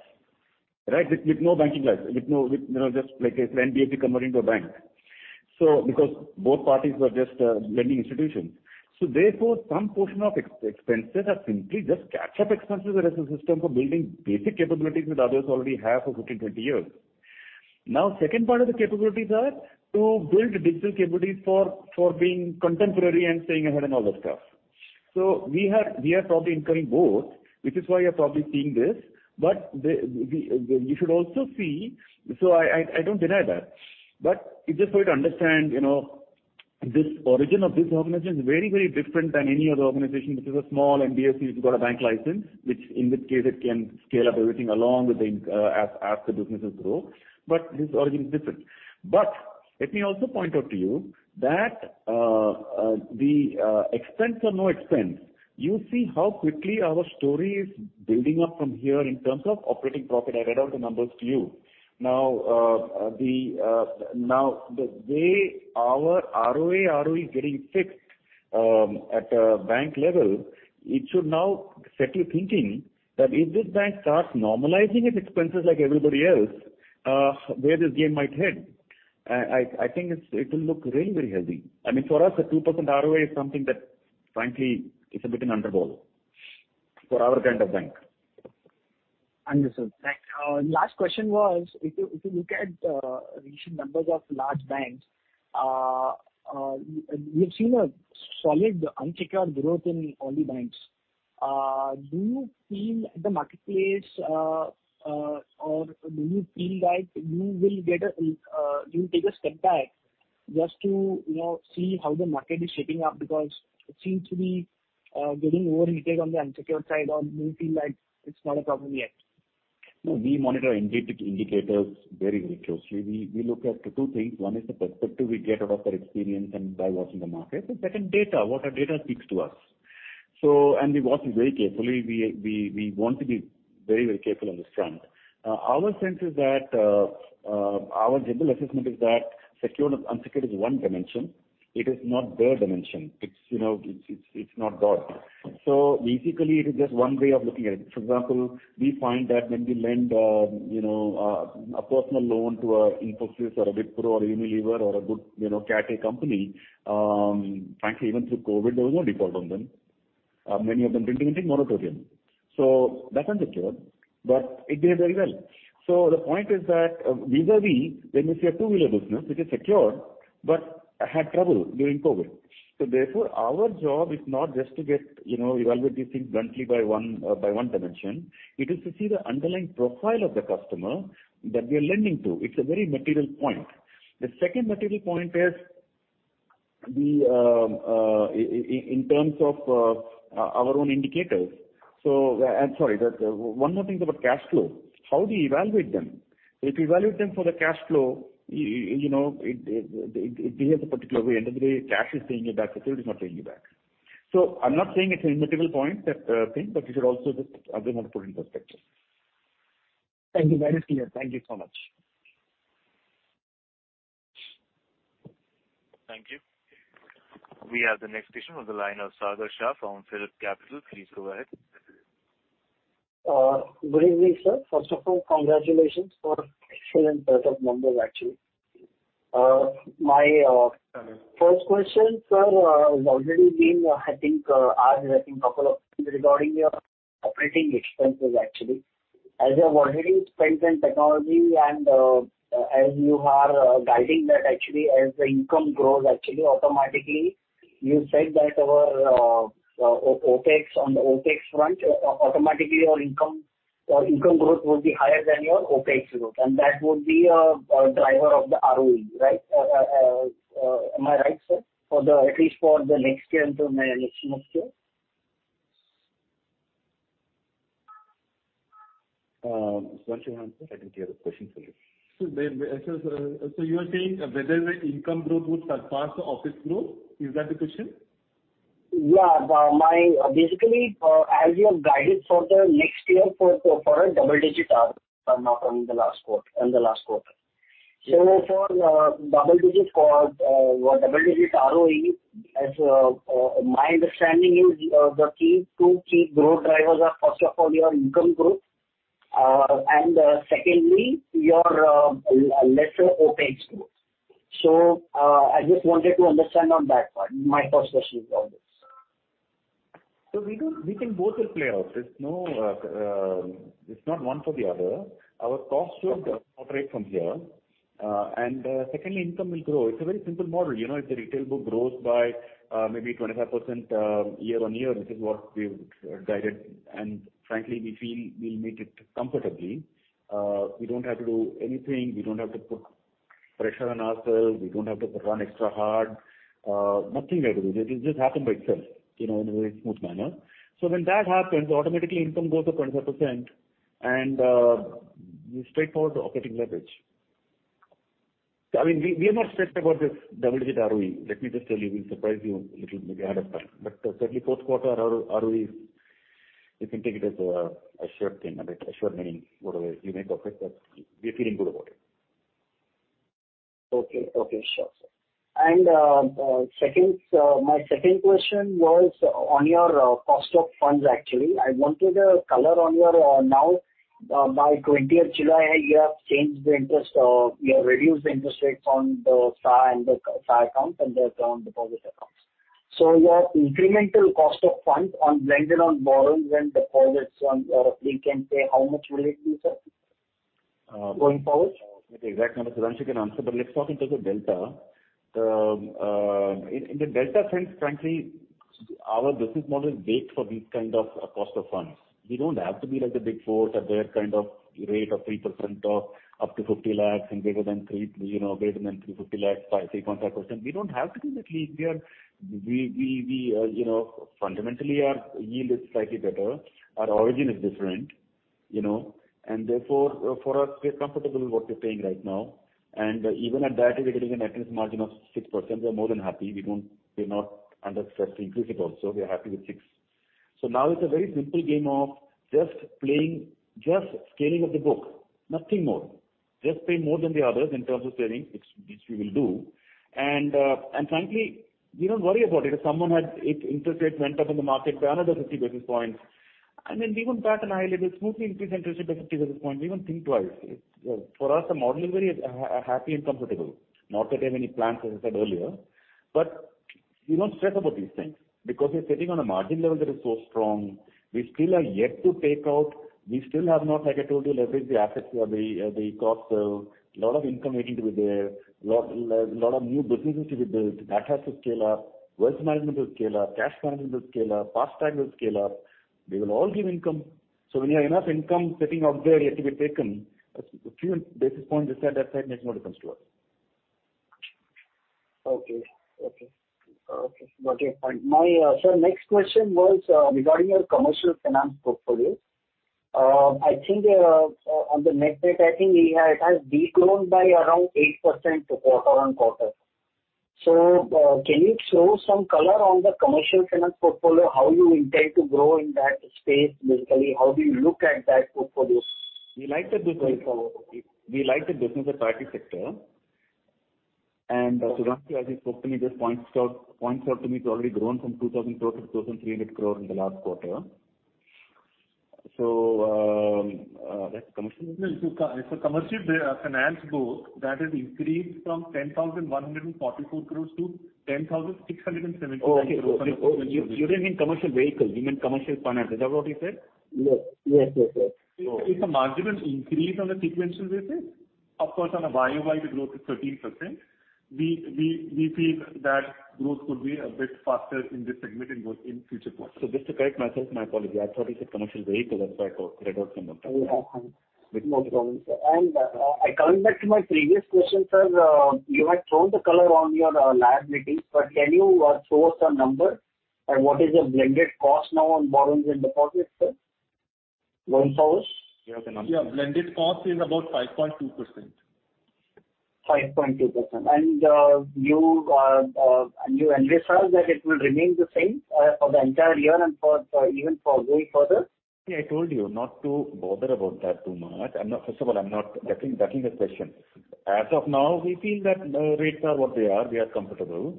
right? With no banking license, with no, you know, just like a NBFC converting to a bank. Because both parties were just lending institutions. Therefore, some portion of expenses are simply just catch-up expenses where there's a system for building basic capabilities that others already have for 15, 20 years. Now, second part of the capabilities are to build digital capabilities for being contemporary and staying ahead and all that stuff. We are probably incurring both, which is why you're probably seeing this. You should also see. I don't deny that, but it's just for you to understand, you know, this origin of this organization is very different than any other organization which is a small NBFC which got a bank license, which in this case it can scale up everything along with the, as the businesses grow. This origin is different. Let me also point out to you that expense or no expense, you see how quickly our story is building up from here in terms of operating profit. I read out the numbers to you. Now the way our ROA, ROE is getting fixed, at a bank level, it should now set you thinking that if this bank starts normalizing its expenses like everybody else, where this game might head. I think it will look really very healthy. I mean, for us a 2% ROA is something that frankly is a bit an underball for our kind of bank. Understood. Thank you. Last question was if you look at recent numbers of large banks, we've seen a solid unsecured growth in all the banks. Do you feel like you'll take a step back just to, you know, see how the market is shaping up? Because it seems to be getting overheated on the unsecured side or do you feel like it's not a problem yet? No, we monitor indicators very, very closely. We look at two things. One is the perspective we get out of our experience and by watching the market. The second, data. What our data speaks to us. We watch it very carefully. We want to be very, very careful on this front. Our sense is that our general assessment is that secured and unsecured is one dimension. It is not the dimension. It's you know it's not God. Basically, it is just one way of looking at it. For example, we find that when we lend you know a personal loan to an Infosys or a Wipro or a Unilever or a good you know Caterpillar company frankly even through COVID there was no default on them. Many of them didn't even take moratorium. That's unsecured, but it did very well. The point is that vis-à-vis when we say a two-wheeler business, which is secured but had trouble during COVID. Therefore, our job is not just to get, you know, evaluate these things bluntly by one dimension. It is to see the underlying profile of the customer that we are lending to. It's a very material point. The second material point is in terms of our own indicators. I'm sorry. One more thing is about cash flow. How do you evaluate them? If you evaluate them for the cash flow, you know, it behaves a particular way. End of the day, cash is paying you back, security is not paying you back. I'm not saying it's an immaterial point that thing, but you should also just have another point of perspective. Thank you. Very clear. Thank you so much. Thank you. We have the next question on the line of Sagar Shah from PhillipCapital. Please go ahead. Good evening, sir. First of all, congratulations for excellent set of numbers, actually. My first question, sir, has already been, I think, asked. I think a couple of things regarding your operating expenses, actually. As you have already spent in technology and, as you are guiding that actually as the income grows actually automatically, you said that our OpEx, on the OpEx front, automatically our income or income growth will be higher than your OpEx growth, and that would be a driver of the ROE, right? Am I right, sir? For at least the next year until May next year. Sudhanshu, I think you have a question for you. You are saying whether the income growth would surpass the OpEx growth? Is that the question? Yeah. Basically, as you have guided for the next year for a double-digit ROE come up from the last quarter. For double-digit ROE, my understanding is, the two key growth drivers are, first of all your income growth, and secondly, your lesser OpEx growth. I just wanted to understand on that part. My first question is on this. We do think both will play out. It's not one for the other. Our costs should operate from here. Secondly, income will grow. It's a very simple model. You know, if the retail book grows by maybe 25%, year-on-year, which is what we've guided and frankly, we feel we'll make it comfortably. We don't have to do anything. We don't have to put pressure on ourselves. We don't have to run extra hard. Nothing like that. It will just happen by itself, you know, in a very smooth manner. When that happens, automatically income grows to 25%. And we go straight to operating leverage. I mean, we are not stressed about this double-digit ROE. Let me just tell you, we'll surprise you a little maybe ahead of time, but certainly fourth quarter RO-ROE, you can take it as a sure thing. I mean, sure meaning whatever you make of it, but we're feeling good about it. Okay. Okay, sure. Second question was on your cost of funds actually. I wanted a color on your now by 20th July, you have changed the interest or you have reduced the interest rates on the SA and the SA accounts and the current deposit accounts. So your incremental cost of funds on blended borrowings and deposits, or roughly can say how much will it be, sir, going forward? I don't know the exact numbers. Sudhanshu can answer, but let's talk in terms of delta. Then in the delta sense, frankly, our business model is built for these kind of cost of funds. We don't have to be like the Big Four, at their kind of rate of 3% or up to 50 lakhs and greater than 3, you know, greater than 350 lakhs by 3.5%. We don't have to be that lean here. We you know, fundamentally our yield is slightly better. Our origination is different. You know, therefore for us, we're comfortable with what we're paying right now. Even at that, we're getting a net interest margin of 6%. We're more than happy. We're not under stress to increase it also. We're happy with 6%. Now it's a very simple game of just playing, just scaling up the book, nothing more. Just pay more than the others in terms of savings, which we will do. Frankly, we don't worry about it. If interest rates went up in the market by another 50 basis points, I mean, we won't bat an eyelid. We'll smoothly increase interest rate by 50 basis points. We won't think twice. For us, the model is very happy and comfortable. Not that I have any plans, as I said earlier, but we don't stress about these things because we're sitting on a margin level that is so strong. We still are yet to take out. We still have not, like I told you, leveraged the assets or the costs well. A lot of income waiting to be there. Lots, lots of new businesses to be built. Data has to scale up. Wealth management will scale up. Cash management will scale up. FASTag will scale up. They will all give income. We have enough income sitting out there yet to be taken. A few basis points this side, that side makes no difference to us. Okay. Got your point. Sir, next question was regarding your commercial finance portfolio. I think on the net debt, it has declined by around 8% quarter-on-quarter. Can you throw some color on the commercial finance portfolio? How do you intend to grow in that space? Basically, how do you look at that portfolio? We like the business. We like the business priority sector. Sudhanshu, as his portfolio just points out to me, it's already grown from 2,000 crore to 2,300 crore in the last quarter. That's commercial. Commercial finance book, that has increased from 10,144 crore to 10,679 crore on a sequential basis. Okay. You didn't mean commercial vehicle, you meant commercial finance. Is that what you said? Yes. Yes, yes. It's a marginal increase on a sequential basis. Of course, on a year-over-year the growth is 13%. We feel that growth could be a bit faster in this segment in future quarters. Just to correct myself, my apology, I thought you said commercial vehicle. That's why I read out something. No problem, sir. Coming back to my previous question, sir. You had thrown the color on your liabilities, but can you throw us a number and what is your blended cost now on borrowings and deposits, sir? Blended cost. Do you have the number? Yeah. Blended cost is about 5.2%. 5.2%. You envisage that it will remain the same for the entire year and for even going further? I told you not to bother about that too much. First of all, I'm not ducking the question. As of now, we feel that rates are what they are. We are comfortable.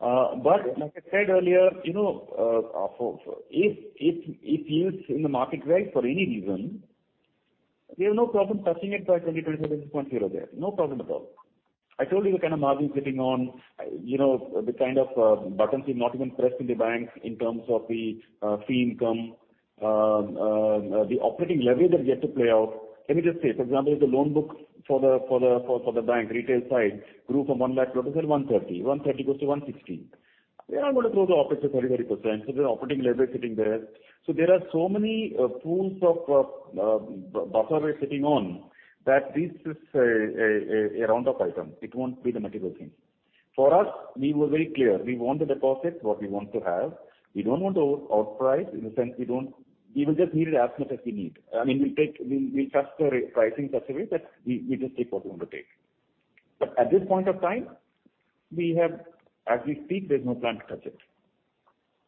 Like I said earlier, if yields in the market rise for any reason, we have no problem touching it by 20-25 basis points here or there. No problem at all. I told you the kind of margins sitting on, the kind of buttons we've not even pressed in the bank in terms of the fee income, the operating leverage that is yet to play out. Let me just say, for example, if the loan book for the bank retail side grew from 1 lakh crore to 1.30 lakh crore. 1.30% goes to 1.60%. We are not going to grow the OpEx 30-30%. The operating leverage sitting there. There are so many pools of buffer we're sitting on that this is a run-off item. It won't be the material thing. For us, we were very clear. We want the deposits what we want to have. We don't want to outprice. In a sense, we don't. We will just need it as much as we need. I mean, we'll take, we'll test the rate, pricing test the rate, but we just take what we want to take. At this point of time, we have, as we speak, there's no plan to touch it.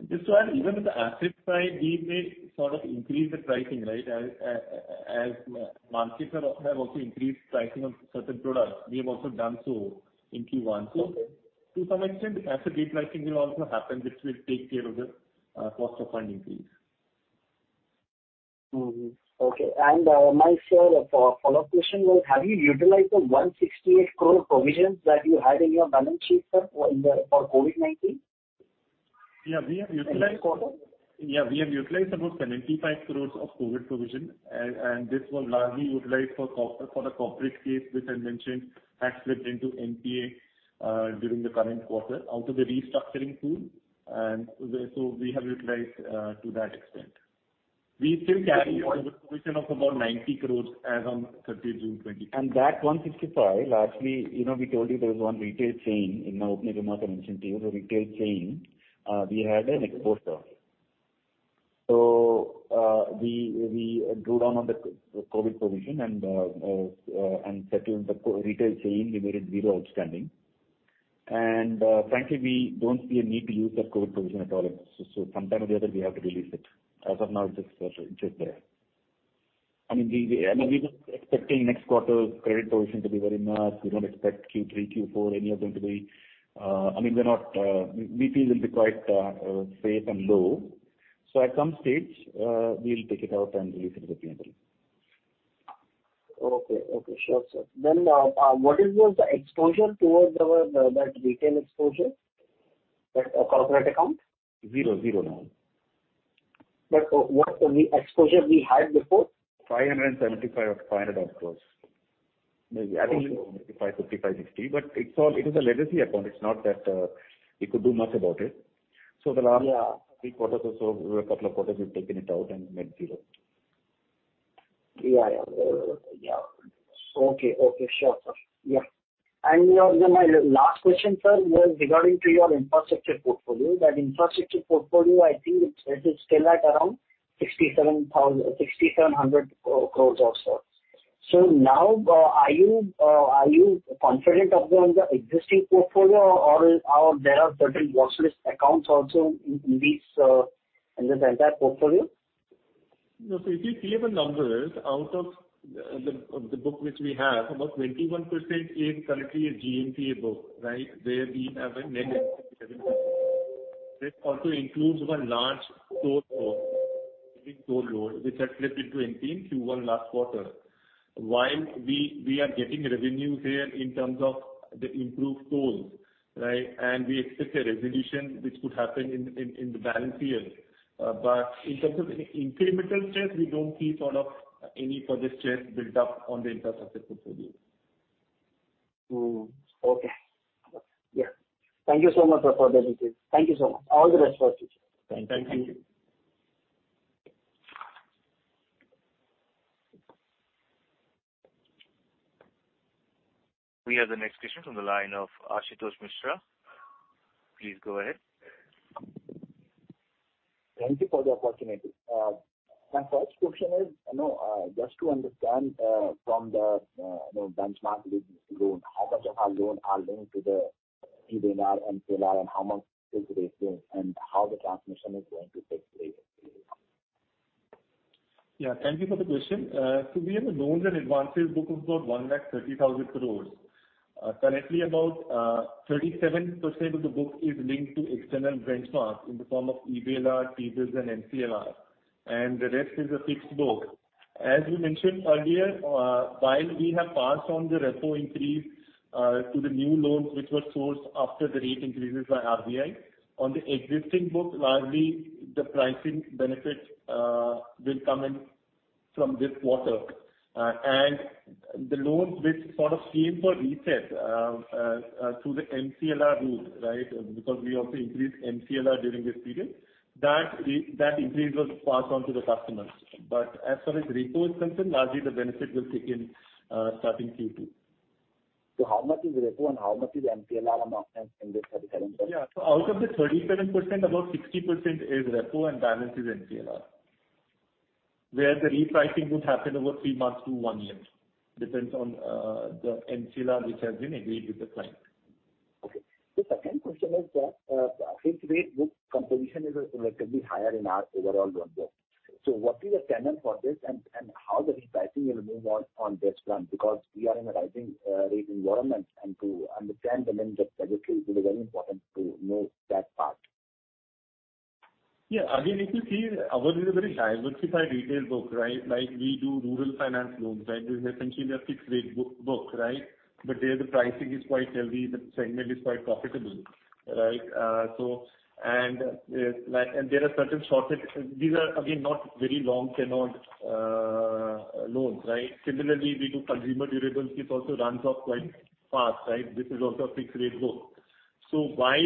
Just to add, even with the asset side, we may sort of increase the pricing, right? As markets have also increased pricing of certain products, we have also done so in Q1. To some extent, asset rate pricing will also happen, which will take care of the cost of funding fees. Okay. Sir, my follow-up question was, have you utilized the 168 crore provisions that you had in your balance sheet, sir, for COVID-19? Yeah. We have utilized. In this quarter. Yeah. We have utilized about 75 crore of COVID provision, and this was largely utilized for the corporate case, which I mentioned, had slipped into NPA during the current quarter out of the restructuring pool. We have utilized to that extent. We still carry a provision of about 90 crore as on 30th June 2023. That 165, largely, you know, we told you there was one retail chain. In my opening remarks, I mentioned to you the retail chain, we had an exposure. We drew down on the COVID provision and settled that retail chain. We made it zero outstanding. Frankly, we don't see a need to use that COVID provision at all. Some time or the other, we have to release it. As of now, it's just there. I mean, we're not expecting next quarter's credit provision to be very much. We don't expect Q3, Q4, any of them to be. I mean, they're not, we feel, will be quite safe and low. At some stage, we'll take it out and release it appropriately. Okay. Sure, sir. What is your exposure towards our that retail exposure? That corporate account? Zero. Zero now. What the exposure we had before? 575 crore or 500 crore approximately. Maybe, I think 55, 65, 60. But it's all, it is a legacy account. It's not that, we could do much about it. The last three quarters or so, a couple of quarters, we've taken it out and made zero. Sure, sir. Yeah. My last question, sir, was regarding your infrastructure portfolio. That infrastructure portfolio, I think it is still at around 6,700 crore or so. Now, are you confident of the existing portfolio or there are certain watch list accounts also in this entire portfolio? No. If you see the numbers out of the book which we have, about 21% is currently a GNPA book, right? Where we have a net. This also includes one large ticket, big ticket which had slipped into NPA in last quarter. While we are getting recovery here in terms of the improved yields, right? We expect a resolution which could happen in the calendar year. But in terms of incremental stress, we don't see sort of any further stress built up on the infrastructure portfolio. Okay. Yeah. Thank you so much, sir, for the details. Thank you so much. All the best for the future. Thank you. Thank you. We have the next question from the line of Asutosh Mishra. Please go ahead. Thank you for the opportunity. My first question is, you know, just to understand, from the, you know, benchmark business loan, how much of our loan are linked to the EBLR and MCLR, and how much is rating and how the transmission is going to take place? Yeah, thank you for the question. So we have a loans and advances book of about 1,30,000 crore. Currently about 37% of the book is linked to external benchmarks in the form of EBLR, T-bills and MCLR, and the rest is a fixed book. As we mentioned earlier, while we have passed on the repo increase to the new loans which were sourced after the rate increases by RBI. On the existing book, largely the pricing benefits will come in from this quarter. And the loans which sort of came for reset through the MCLR rule, right? Because we also increased MCLR during this period, that increase was passed on to the customers. As far as repo is concerned, largely the benefit will kick in starting Q2. How much is repo and how much is MCLR amount in this 37%? Out of the 37%, about 60% is repo and balance is MCLR, where the repricing would happen over three months to one year. Depends on the MCLR which has been agreed with the client. The second question is that fixed rate book composition is relatively higher in our overall loan book. What is the tenor for this and how the repricing will move on this front? Because we are in a rising rate environment and to understand the length of treasury it will be very important to know that part. Yeah. Again, if you see ours is a very diversified retail book, right? Like we do rural finance loans, right? Which is essentially a fixed rate book, right? There the pricing is quite healthy. The segment is quite profitable, right? So and, like, and there are certain shorter. These are again, not very long tenor loans, right? Similarly, we do consumer durables, this also runs off quite fast, right? This is also a fixed rate book. While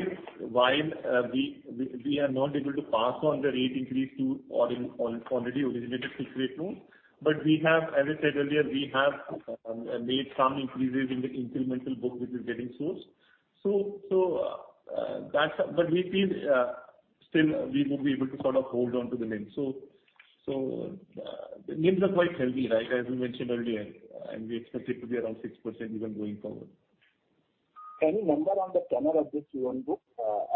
we are not able to pass on the rate increase to the already originated fixed rate loans, we have, as I said earlier, made some increases in the incremental book which is getting sourced. That's. We feel still we would be able to sort of hold on to the NIM. The NIMs are quite healthy, right? As we mentioned earlier, and we expect it to be around 6% even going forward. Any number on the tenor of this loan book?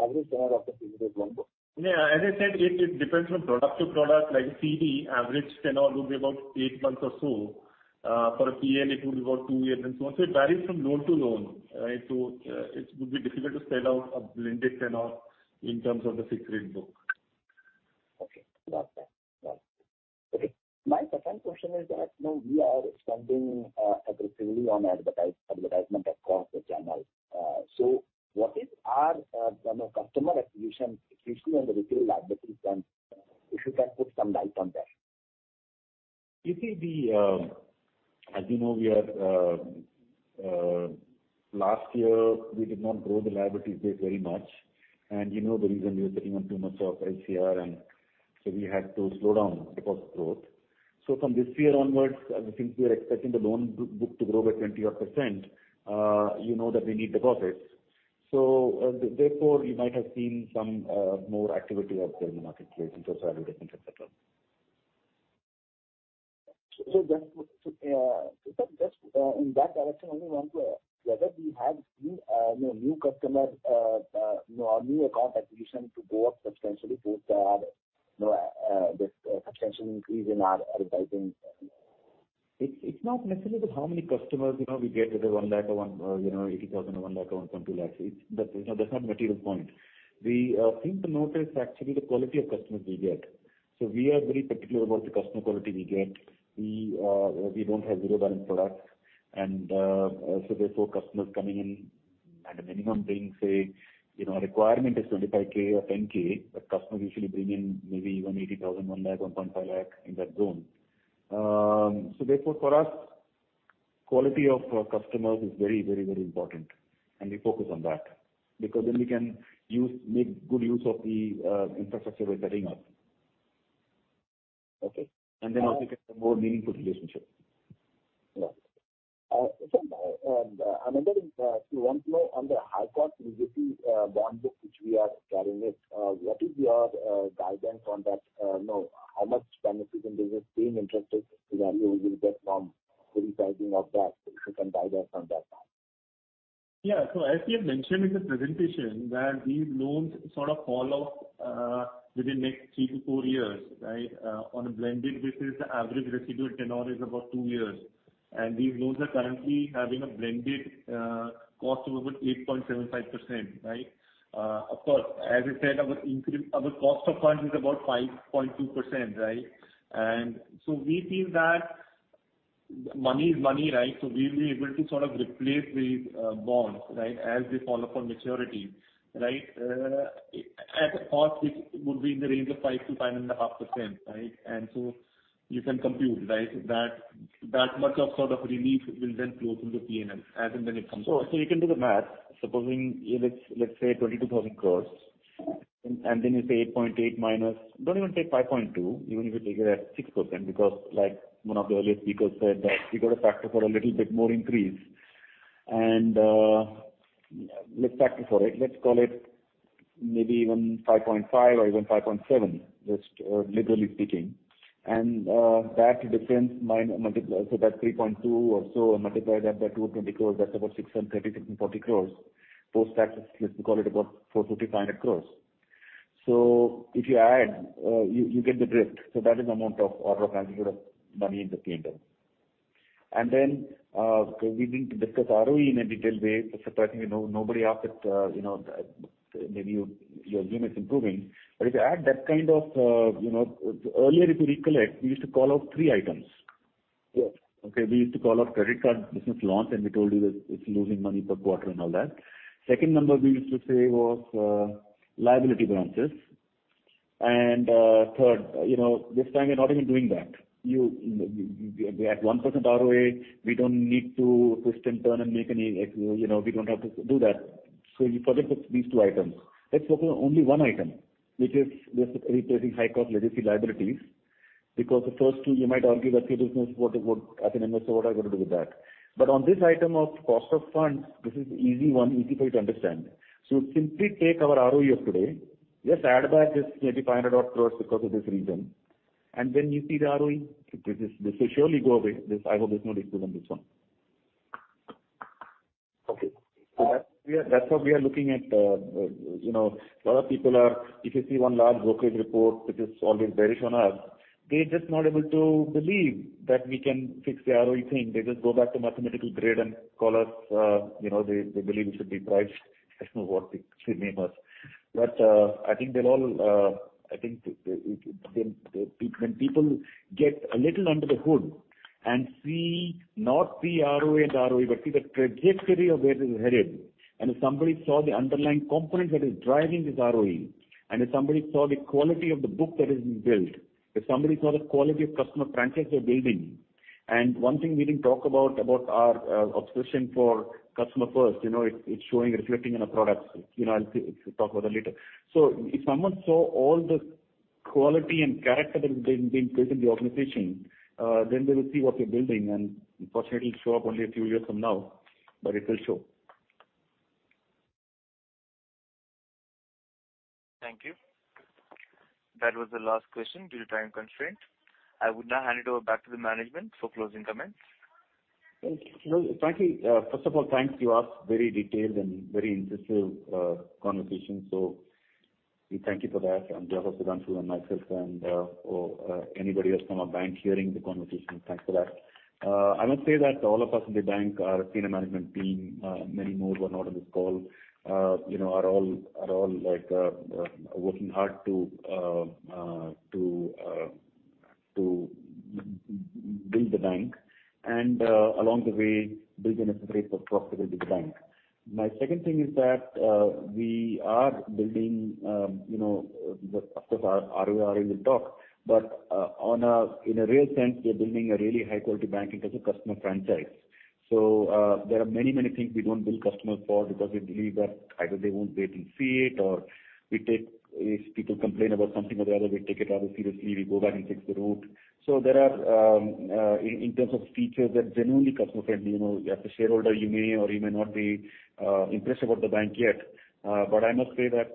Average tenor of the fixed rate loan book? Yeah. As I said, it depends from product to product. Like CD average tenor would be about eight months or so. For a PL it would be about two years and so on. It varies from loan to loan, right? It would be difficult to spell out a blended tenor in terms of the fixed rate book. Okay. Got that. Got it. Okay. My second question is that, you know, we are spending aggressively on advertisement across the channel. What is our, you know, customer acquisition, especially on the retail liability front, if you can put some light on that. As you know, last year we did not grow the liabilities base very much. You know, the reason we were taking on too much of LCR and so we had to slow down deposit growth. From this year onwards, I think we are expecting the loan book to grow by 20-odd%. You know, that we need deposits. Therefore you might have seen some more activity out there in the marketplace in terms of advertisements, et cetera. In that direction, only want to know whether we have seen, you know, new customer, you know, new account acquisition to go up substantially due to this substantial increase in our advertising. It's not necessarily how many customers, you know, we get whether 1 lakh or, you know, 80,000 or 1 lakh or 1.2 lakh. It's, you know, that's not the material point. We think the point is actually the quality of customers we get. We are very particular about the customer quality we get. We don't have zero balance products and so therefore customers coming in at a minimum bring, say, you know, our requirement is 25,000 or 10,000, but customers usually bring in maybe 180,000, 1 lakh, 1.5 lakh in that zone. So therefore, for us, quality of customers is very, very, very important and we focus on that because then we can make good use of the infrastructure we are setting up. Okay. Get a more meaningful relationship. Anand Laddha is, he wants to know on the high-cost legacy bond book which we are carrying, what is your guidance on that? You know, how much benefit in terms of interest savings we will get from repricing of that, if you can guide us on that now. Yeah. As we have mentioned in the presentation where these loans sort of fall off within next 3-4 years, right? On a blended basis, the average residual tenure is about two years. These loans are currently having a blended cost of about 8.75%, right? Of course, as I said, our cost of funds is about 5.2%, right? We feel that money is money, right? We'll be able to sort of replace these bonds, right, as they fall upon maturity, right? At a cost which would be in the range of 5%-5.5%, right? You can compute, right? That much of sort of relief will then flow through the PNL as and when it comes up. You can do the math. Supposing, let's say 22,000 crore and then you say 8.8% minus. Don't even take 5.2%, even if you take it at 6% because like one of the earliest speakers said that you got to factor for a little bit more increase. Let's factor for it. Let's call it maybe even 5.5% or even 5.7%, just liberally speaking. That difference multiply, so that's 3.2% or so, multiply that by 220 crore, that's about 630, 640 crore. Post-tax, let's call it about 450, 500 crore. If you add, you get the drift. That is amount of order of magnitude of money in the P&L. We didn't discuss ROE in a detailed way. Surprisingly, nobody asked it. You know, maybe your Zoom is improving. If you add that kind of, you know, earlier if you recollect, we used to call out three items. Yes. Okay. We used to call out credit card business launch, and we told you that it's losing money per quarter and all that. Second number we used to say was, liability branches. Third, you know, this time we're not even doing that. We're at 1% ROA, we don't need to twist and turn and make any, you know, we don't have to do that. You forget these two items. Let's focus on only one item, which is just replacing high-cost legacy liabilities. Because the first two you might argue that's your business, what as an investor, what I got to do with that? On this item of cost of funds, this is easy one, easy for you to understand. You simply take our ROE of today, just add back this maybe 500 crore because of this reason, and when you see the ROE, this will surely go away. This, I hope there's no dispute on this one. Okay. That's how we are looking at, you know. A lot of people are. If you see one large brokerage report which is always bearish on us, they're just not able to believe that we can fix the ROE thing. They just go back to mathematical grid and call us, you know, they believe we should be priced as not worth it, to name one. I think when people get a little under the hood and see, not see ROA and ROE, but see the trajectory of where this is headed, and if somebody saw the underlying components that is driving this ROE, and if somebody saw the quality of the book that has been built, if somebody saw the quality of customer franchise we're building. One thing we didn't talk about our obsession for customer first, you know, it's showing, reflecting in our products. You know, I'll talk about that later. If someone saw all the quality and character that has been built in the organization, then they will see what we're building, and unfortunately it'll show up only a few years from now, but it will show. Thank you. That was the last question due to time constraint. I would now hand it over back to the management for closing comments. Thank you. No, frankly, first of all, thanks. You asked very detailed and very interesting conversations. We thank you for that and whoever's gone through on my system, or anybody else from our bank hearing the conversation, thanks for that. I must say that all of us in the bank, our senior management team, many more who are not on this call, you know, are all like working hard to build the bank and, along the way, build the necessities for a profitable bank. My second thing is that, we are building, you know, of course our ROE is on the table, but, in a real sense, we are building a really high-quality bank in terms of customer franchise. There are many, many things we don't bill customers for because we believe that either they won't be able to see it. If people complain about something or the other, we take it rather seriously. We go back and fix the root. There are, in terms of features that genuinely customer-friendly, you know. As a shareholder, you may or you may not be impressed about the bank yet. I must say that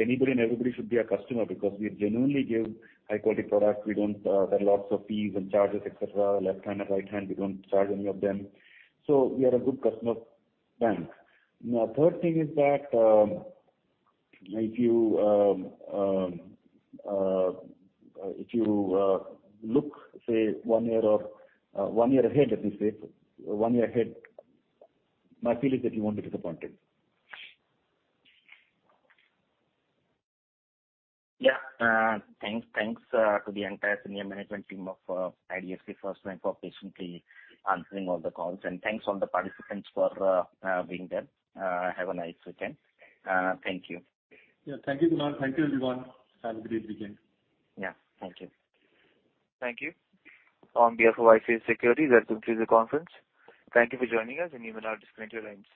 anybody and everybody should be our customer because we genuinely give high-quality products. We don't, there are lots of fees and charges, et cetera. Left hand or right hand, we don't charge any of them. We are a good customer bank. Now, third thing is that if you look one year ahead, my feeling is that you won't be disappointed. Yeah. Thanks to the entire senior management team of IDFC FIRST Bank for patiently answering all the calls. Thanks all the participants for being there. Have a nice weekend. Thank you. Yeah. Thank you, Kunal. Thank you, everyone. Have a great weekend. Yeah. Thank you. Thank you. On behalf of ICICI Securities, I welcome you to the conference. Thank you for joining us, and you may now disconnect your lines.